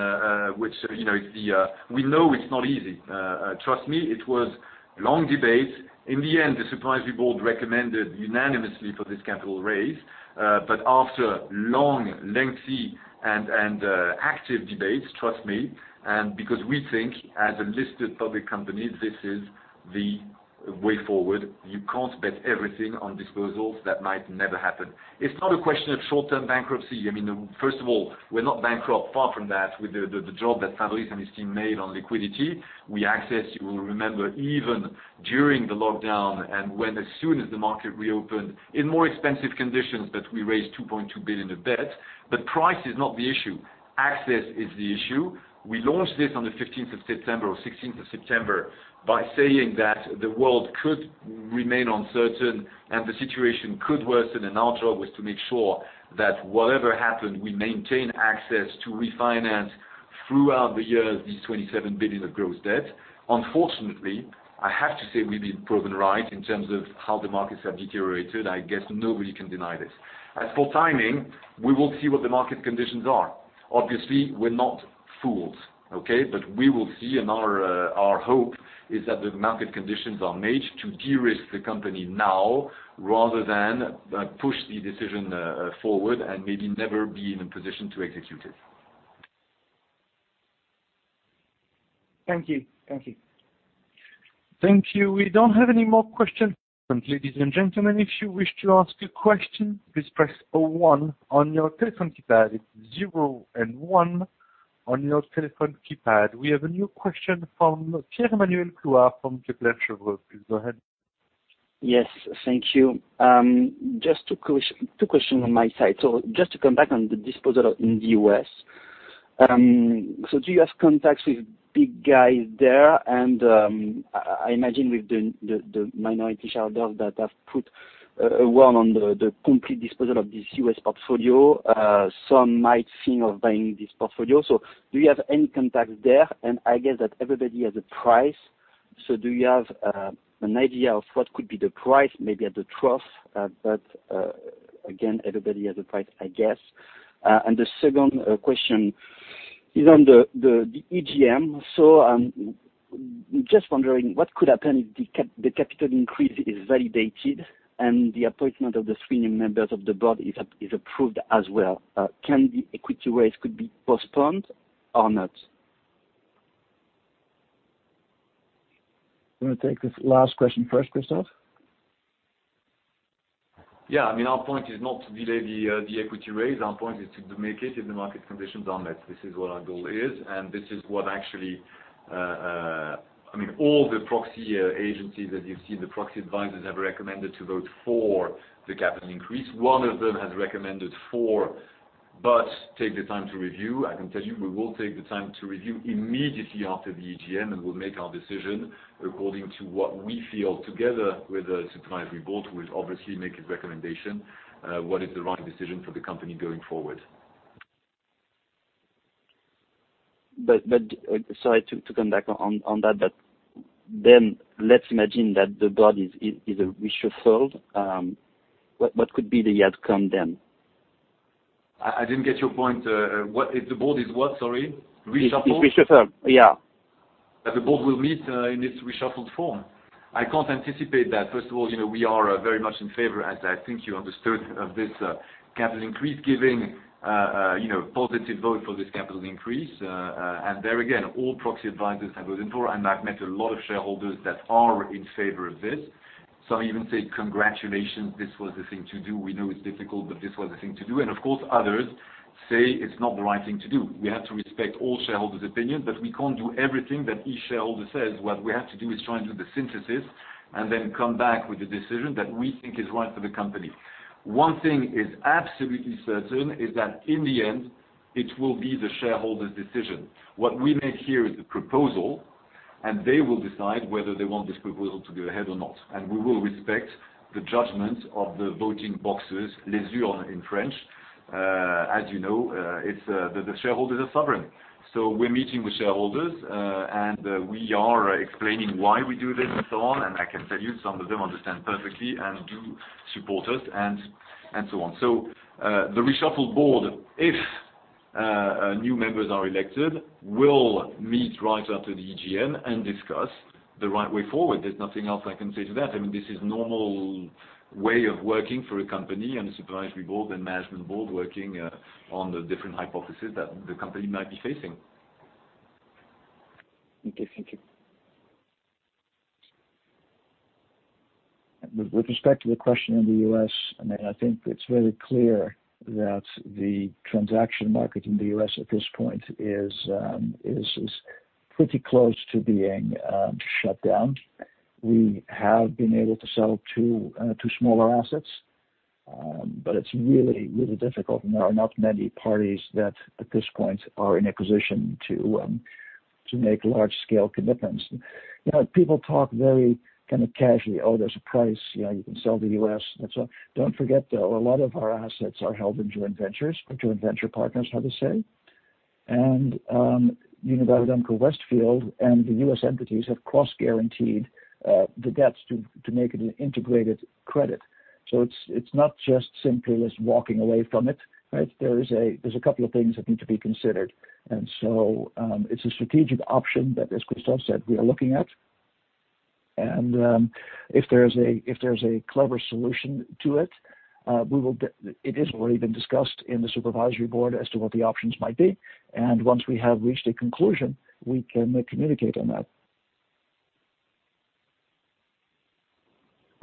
which, you know, is the... We know it's not easy. Trust me, it was long debate. In the end, the supervisory board recommended unanimously for this capital raise, but after long, lengthy, and active debates, trust me, and because we think as a listed public company, this is the way forward. You can't bet everything on disposals that might never happen. It's not a question of short-term bankruptcy. I mean, first of all, we're not bankrupt, far from that, with the job that Fabrice and his team made on liquidity. We accessed, you will remember, even during the lockdown and when, as soon as the market reopened, in more expensive conditions, but we raised 2.2 billion of debt. But price is not the issue, access is the issue. We launched this on the 15th of September or 16th of September, by saying that the world could remain uncertain and the situation could worsen, and our job was to make sure that whatever happened, we maintain access to refinance throughout the year, this 27 billion of gross debt. Unfortunately, I have to say, we've been proven right in terms of how the markets have deteriorated. I guess nobody can deny this. As for timing, we will see what the market conditions are. Obviously, we're not fools, okay? But we will see, and our hope is that the market conditions are made to de-risk the company now, rather than push the decision forward and maybe never be in a position to execute it. Thank you. Thank you. Thank you. We don't have any more questions, ladies and gentlemen, if you wish to ask a question, please press oh-one on your telephone keypad. It's zero and one on your telephone keypad. We have a new question from Pierre-Emmanuel Clouard from Kepler Cheuvreux. Please go ahead. Yes, thank you. Just two questions on my side. So just to come back on the disposal in the U.S. So do you have contacts with big guys there? And I imagine with the minority shareholders that have put a word on the complete disposal of this U.S. portfolio, some might think of buying this portfolio. So do you have any contacts there? And I guess that everybody has a price. So do you have an idea of what could be the price? Maybe at the trough, but again, everybody has a price, I guess. And the second question is on the EGM. Just wondering, what could happen if the capital increase is validated and the appointment of the three new members of the board is approved as well? Can the equity raise be postponed or not? You want to take this last question first, Christophe? Yeah, I mean, our point is not to delay the, the equity raise. Our point is to make it if the market conditions are met. This is what our goal is, and this is what actually, I mean, all the proxy agencies that you see, the proxy advisors have recommended to vote for the capital increase. One of them has recommended... But take the time to review. I can tell you, we will take the time to review immediately after the EGM, and we'll make our decision according to what we feel together with the supervisory board, who will obviously make a recommendation, what is the right decision for the company going forward? But, sorry, to come back on that, but then let's imagine that the board is reshuffled. What could be the outcome then? I didn't get your point. What if the board is reshuffled? Is reshuffled, yeah. That the board will meet in its reshuffled form. I can't anticipate that. First of all, you know, we are very much in favor, as I think you understood, of this capital increase, giving you know positive vote for this capital increase, and there again, all proxy advisors I went for, and I've met a lot of shareholders that are in favor of this. Some even say, "Congratulations, this was the thing to do. We know it's difficult, but this was the thing to do," and of course, others say, "It's not the right thing to do." We have to respect all shareholders' opinion, but we can't do everything that each shareholder says. What we have to do is try and do the synthesis, and then come back with a decision that we think is right for the company. One thing is absolutely certain, is that in the end, it will be the shareholder's decision. What we make here is the proposal, and they will decide whether they want this proposal to go ahead or not, and we will respect the judgment of the voting boxes, les urnes, in French. As you know, it's the shareholders are sovereign. So we're meeting with shareholders, and we are explaining why we do this and so on, and I can tell you some of them understand perfectly and do support us and so on. So, the reshuffled board, if new members are elected, will meet right after the EGM and discuss the right way forward. There's nothing else I can say to that. I mean, this is normal way of working for a company and the supervisory board and management board working on the different hypotheses that the company might be facing. Okay, thank you. With respect to the question in the U.S., and I think it's very clear that the transaction market in the U.S. at this point is pretty close to being shut down. We have been able to sell two two smaller assets, but it's really, really difficult, and there are not many parties that, at this point, are in a position to to make large-scale commitments. You know, people talk very kind of casually, "Oh, there's a price, yeah, you can sell the U.S.," and so on. Don't forget, though, a lot of our assets are held in joint ventures, or joint venture partners, how they say. And, Unibail-Rodamco-Westfield and the US entities have cross-guaranteed the debts to to make it an integrated credit. So it's, it's not just simply just walking away from it, right? There's a couple of things that need to be considered. And so, it's a strategic option that, as Christophe said, we are looking at. And, if there's a clever solution to it, it is already been discussed in the supervisory board as to what the options might be, and once we have reached a conclusion, we can communicate on that.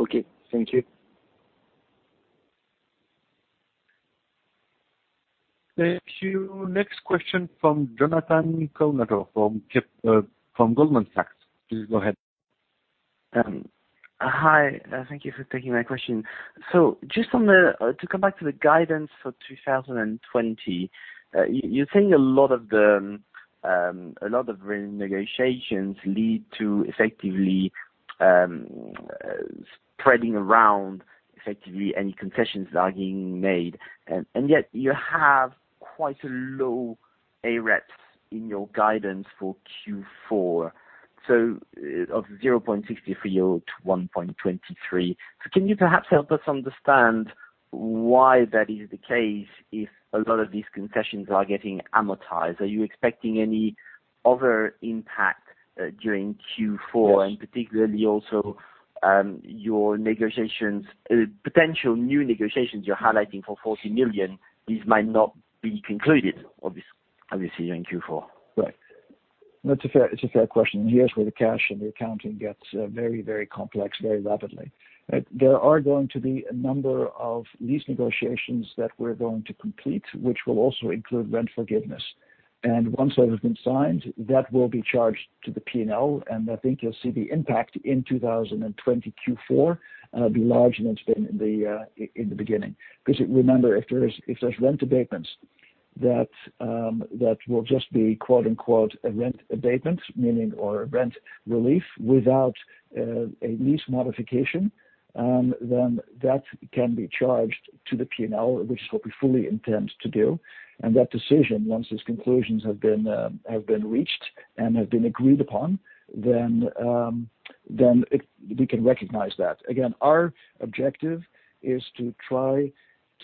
Okay, thank you. Thank you. Next question from Jonathan Kownator from Goldman Sachs. Please go ahead. Hi, thank you for taking my question. So just on the, to come back to the guidance for 2020, you're saying a lot of the negotiations lead to effectively spreading around effectively any concessions that are being made. And yet you have quite a low AREPS in your guidance for Q4, so of 0.64-1.23. So can you perhaps help us understand why that is the case, if a lot of these concessions are getting amortized? Are you expecting any other impact during Q4? Yes. and particularly also, your negotiations, potential new negotiations you're highlighting for 40 million. These might not be concluded, obviously, in Q4. Right. That's a fair question, and here's where the cash and the accounting gets very, very complex very rapidly. There are going to be a number of lease negotiations that we're going to complete, which will also include rent forgiveness. And once that has been signed, that will be charged to the P&L, and I think you'll see the impact in 2020 Q4 be larger than it's been in the beginning. Because remember, if there's rent abatements, that will just be, quote, unquote, "a rent abatement," meaning or rent relief without a lease modification, then that can be charged to the P&L, which is what we fully intend to do. That decision, once these conclusions have been reached and have been agreed upon, then we can recognize that. Again, our objective is to try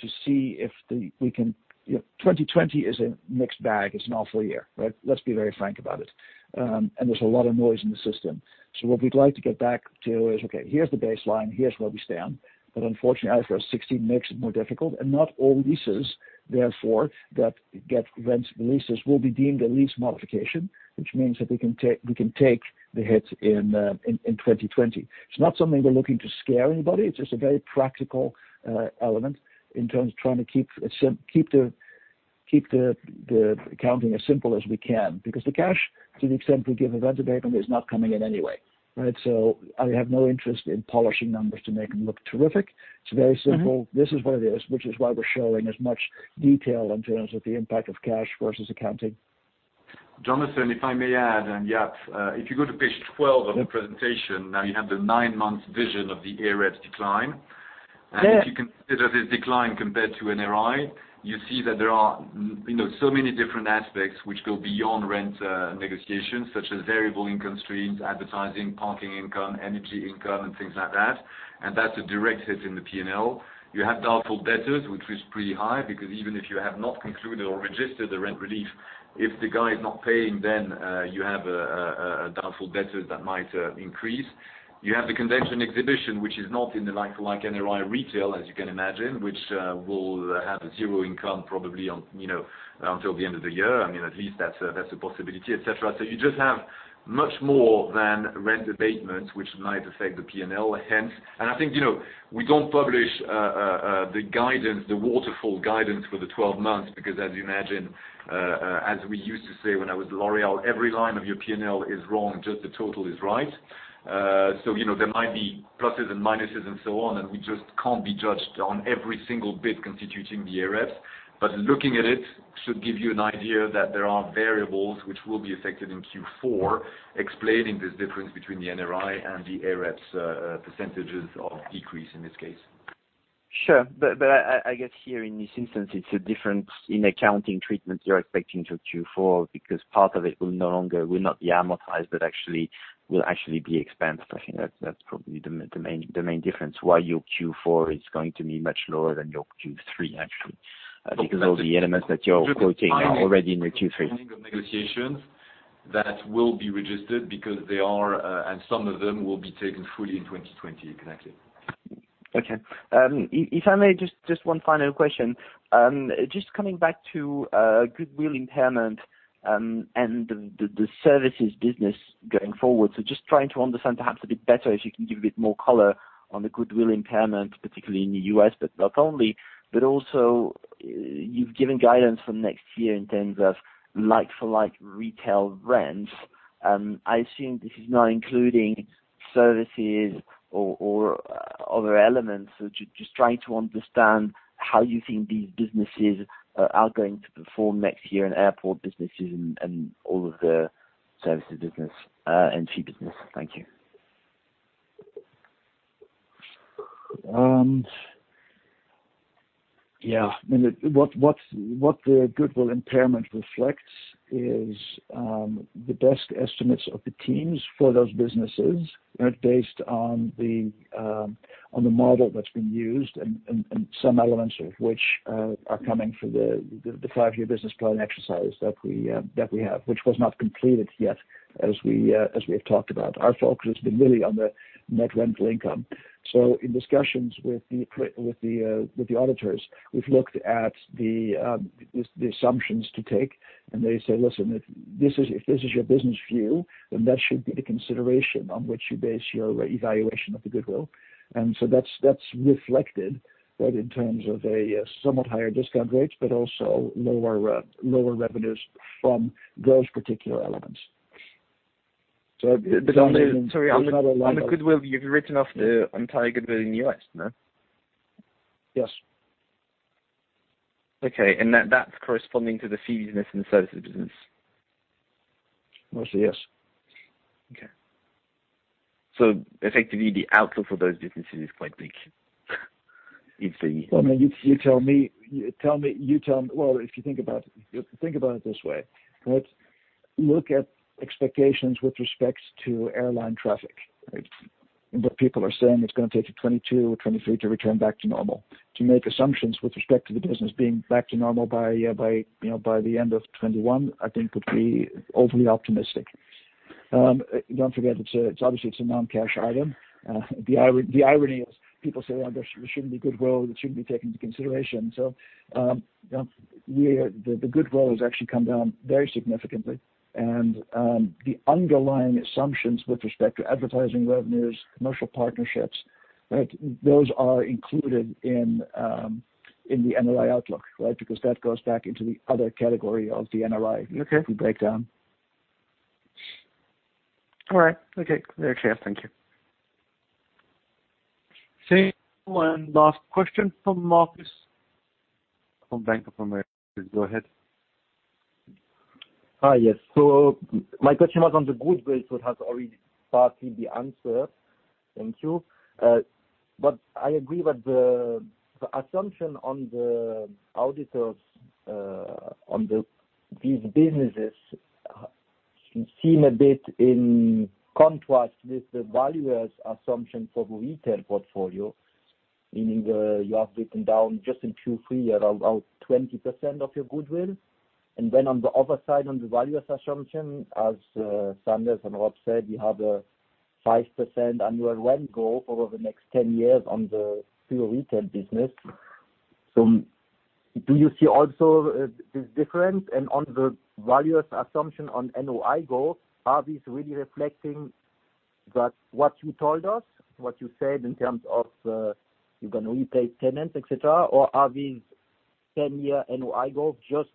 to see if we can. You know, 2020 is a mixed bag. It's an awful year, right? Let's be very frank about it, and there's a lot of noise in the system, so what we'd like to get back to is, okay, here's the baseline, here's where we stand, but unfortunately, IFRS 16 makes it more difficult, and not all leases, therefore, that get rent concessions will be deemed a lease modification, which means that we can take the hit in 2020. It's not something we're looking to scare anybody. It's just a very practical element in terms of trying to keep it simple, keep the accounting as simple as we can, because the cash, to the extent we give a rent abatement, is not coming in anyway. Right. So I have no interest in polishing numbers to make them look terrific. It's very simple. This is what it is, which is why we're showing as much detail in terms of the impact of cash versus accounting. Jonathan, if I may add, and yeah, if you go to page 12 of the presentation, now you have the nine-month version of the AREPS decline. Yeah. And if you consider this decline compared to NRI, you see that there are, you know, so many different aspects which go beyond rent, negotiations, such as variable income streams, advertising, parking income, energy income, and things like that. And that's a direct hit in the P&L. You have doubtful debtors, which is pretty high, because even if you have not concluded or registered the rent relief, if the guy is not paying, then, you have a doubtful debtors that might, increase. You have the convention exhibition, which is not in the like-for-like NRI retail, as you can imagine, which, will have zero income probably on, you know, until the end of the year. I mean, at least that's a possibility, et cetera. So you just have much more than rent abatements, which might affect the P&L hence. I think, you know, we don't publish the guidance, the waterfall guidance for the twelve months, because as you imagine, as we used to say, when I was L'Oréal, every line of your P&L is wrong, just the total is right. So, you know, there might be pluses and minuses and so on, and we just can't be judged on every single bit constituting the AREP. But looking at it should give you an idea that there are variables which will be affected in Q4, explaining this difference between the NRI and the AREP's percentages of decrease in this case. Sure. But I guess here in this instance, it's a difference in accounting treatment you're expecting to Q4, because part of it will no longer be amortized, but actually will actually be expensed. I think that's probably the main difference why your Q4 is going to be much lower than your Q3, actually, because all the elements that you're quoting are already in the Q3. Negotiations that will be registered because they are, and some of them will be taken fully in 2020, exactly. Okay. If I may, just one final question. Just coming back to goodwill impairment and the services business going forward. So just trying to understand perhaps a bit better, if you can give a bit more color on the goodwill impairment, particularly in the U.S., but not only, but also you've given guidance for next year in terms of like-for-like retail rents. I assume this is not including services or other elements. So just trying to understand how you think these businesses are going to perform next year in airport businesses and all of the services business and fee business. Thank you. Yeah. I mean, what the goodwill impairment reflects is the best estimates of the teams for those businesses, right? Based on the model that's been used and some elements of which are coming from the five-year business plan exercise that we have, which was not completed yet, as we have talked about. Our focus has been really on the net rental income. So in discussions with the auditors, we've looked at the assumptions to take, and they say, "Listen, if this is, if this is your business view, then that should be the consideration on which you base your evaluation of the goodwill." And so that's, that's reflected, right, in terms of a somewhat higher discount rates, but also lower revenues from those particular elements. So- But sorry, the goodwill, you've written off the entire goodwill in the U.S., no? Yes. Okay, and that, that's corresponding to the fee business and the services business? Mostly, yes. Okay. So effectively, the outlook for those businesses is quite bleak, if the- I mean, you tell me. If you think about it, think about it this way, right? Look at expectations with respects to airline traffic, right? And the people are saying it's gonna take to 2022 or 2023 to return back to normal. To make assumptions with respect to the business being back to normal by, you know, by the end of 2021, I think could be overly optimistic. Don't forget, it's obviously a non-cash item. The irony is people say, "Well, there shouldn't be goodwill, that shouldn't be taken into consideration." You know, the goodwill has actually come down very significantly, and the underlying assumptions with respect to advertising revenues, commercial partnerships, right, those are included in the NRI outlook, right? Because that goes back into the other category of the NRI- Okay. If we break down. All right. Okay, clear. Thank you. Same one last question from Marc, from Bank of America. Go ahead. Hi, yes. So my question was on the goodwill, so it has already partly been answered. Thank you. But I agree that the assumption of the auditors on these businesses seem a bit in contrast with the valuer's assumption for the retail portfolio, meaning, you have written down just in Q3, around 20% of your goodwill. And then on the other side, on the valuer's assumption, as Sander and Rob said, you have a 5% annual rent growth over the next 10 years on the pure retail business. So do you see also this difference? And on the valuer's assumption on NOI growth, are these really reflecting that what you told us, what you said in terms of, you're gonna repay tenants, et cetera, or are these-... 10-year NOI go just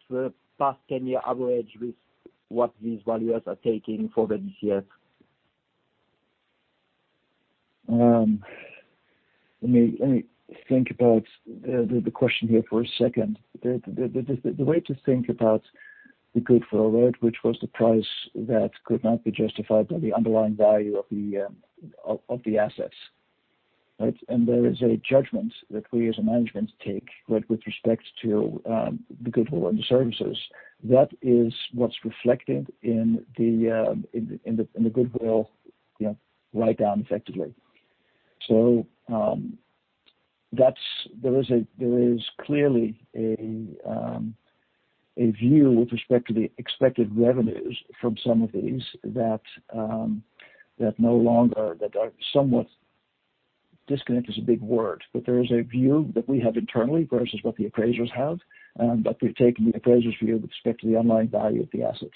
the past ten-year average with what these valuers are taking for the DCF? Let me think about the way to think about the goodwill, right, which was the price that could not be justified by the underlying value of the assets, right? And there is a judgment that we as a management take with respect to the goodwill and the services. That is what's reflected in the goodwill, you know, write down effectively. There is clearly a view with respect to the expected revenues from some of these that are somewhat. Disconnect is a big word, but there is a view that we have internally versus what the appraisers have, but we've taken the appraisers' view with respect to the valuation of the assets.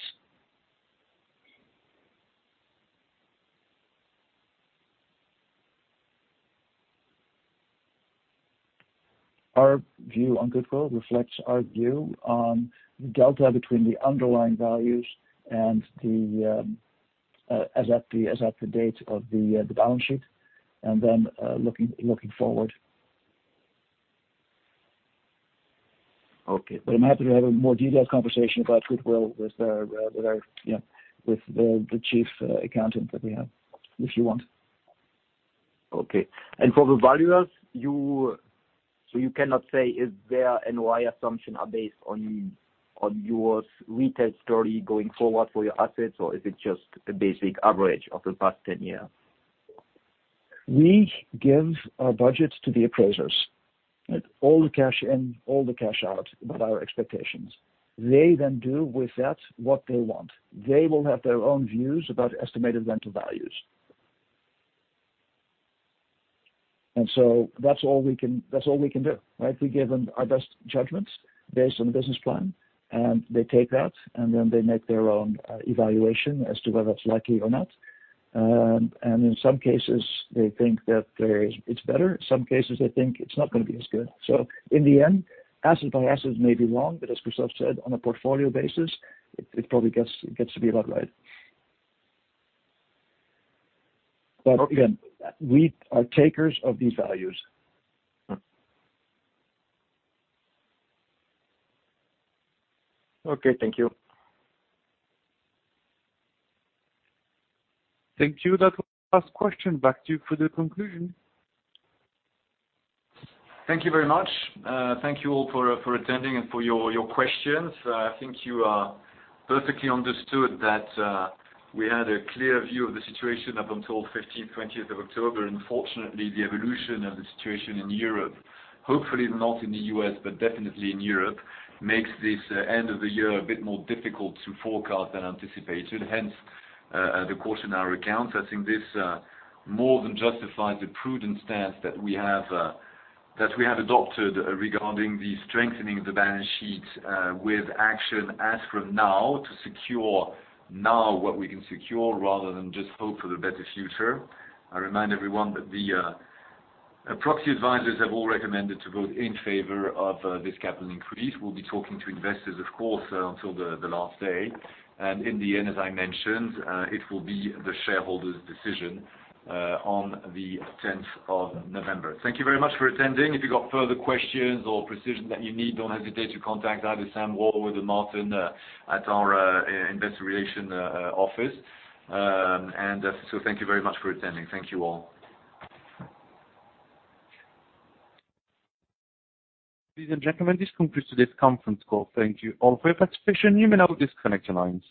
Our view on goodwill reflects our view on the delta between the underlying values and, as at the date of the balance sheet, looking forward. Okay. But I'm happy to have a more detailed conversation about goodwill with our, you know, with the chief accountant that we have, if you want. Okay. And for the valuers, so you cannot say if their NOI assumptions are based on your retail story going forward for your assets, or is it just a basic average of the past ten years? We give our budgets to the appraisers, right? All the cash in, all the cash out, about our expectations. They then do with that what they want. They will have their own views about estimated rental values. And so that's all we can, that's all we can do, right? We give them our best judgments based on the business plan, and they take that, and then they make their own evaluation as to whether it's likely or not. And in some cases, they think that there is, it's better, some cases they think it's not gonna be as good. So in the end, asset by asset may be wrong, but as Christophe said, on a portfolio basis, it probably gets to be about right. Okay. But again, we are takers of these values. Okay, thank you. Thank you. That was last question. Back to you for the conclusion. Thank you very much. Thank you all for attending and for your questions. I think you perfectly understood that we had a clear view of the situation up until 15th,20th of October. Unfortunately, the evolution of the situation in Europe, hopefully not in the U.S., but definitely in Europe, makes this end of the year a bit more difficult to forecast than anticipated, hence the caution in our accounts. I think this more than justifies the prudent stance that we have adopted regarding the strengthening of the balance sheet, with action as from now, to secure now what we can secure, rather than just hope for a better future. I remind everyone that the proxy advisors have all recommended to vote in favor of this capital increase. We'll be talking to investors, of course, until the last day. And in the end, as I mentioned, it will be the shareholders' decision on the 10th of November. Thank you very much for attending. If you've got further questions or precision that you need, don't hesitate to contact either Sam Wall or Martin at our investor relations office. And so thank you very much for attending. Thank you all. Ladies and gentlemen, this concludes today's conference call. Thank you all for your participation. You may now disconnect your lines.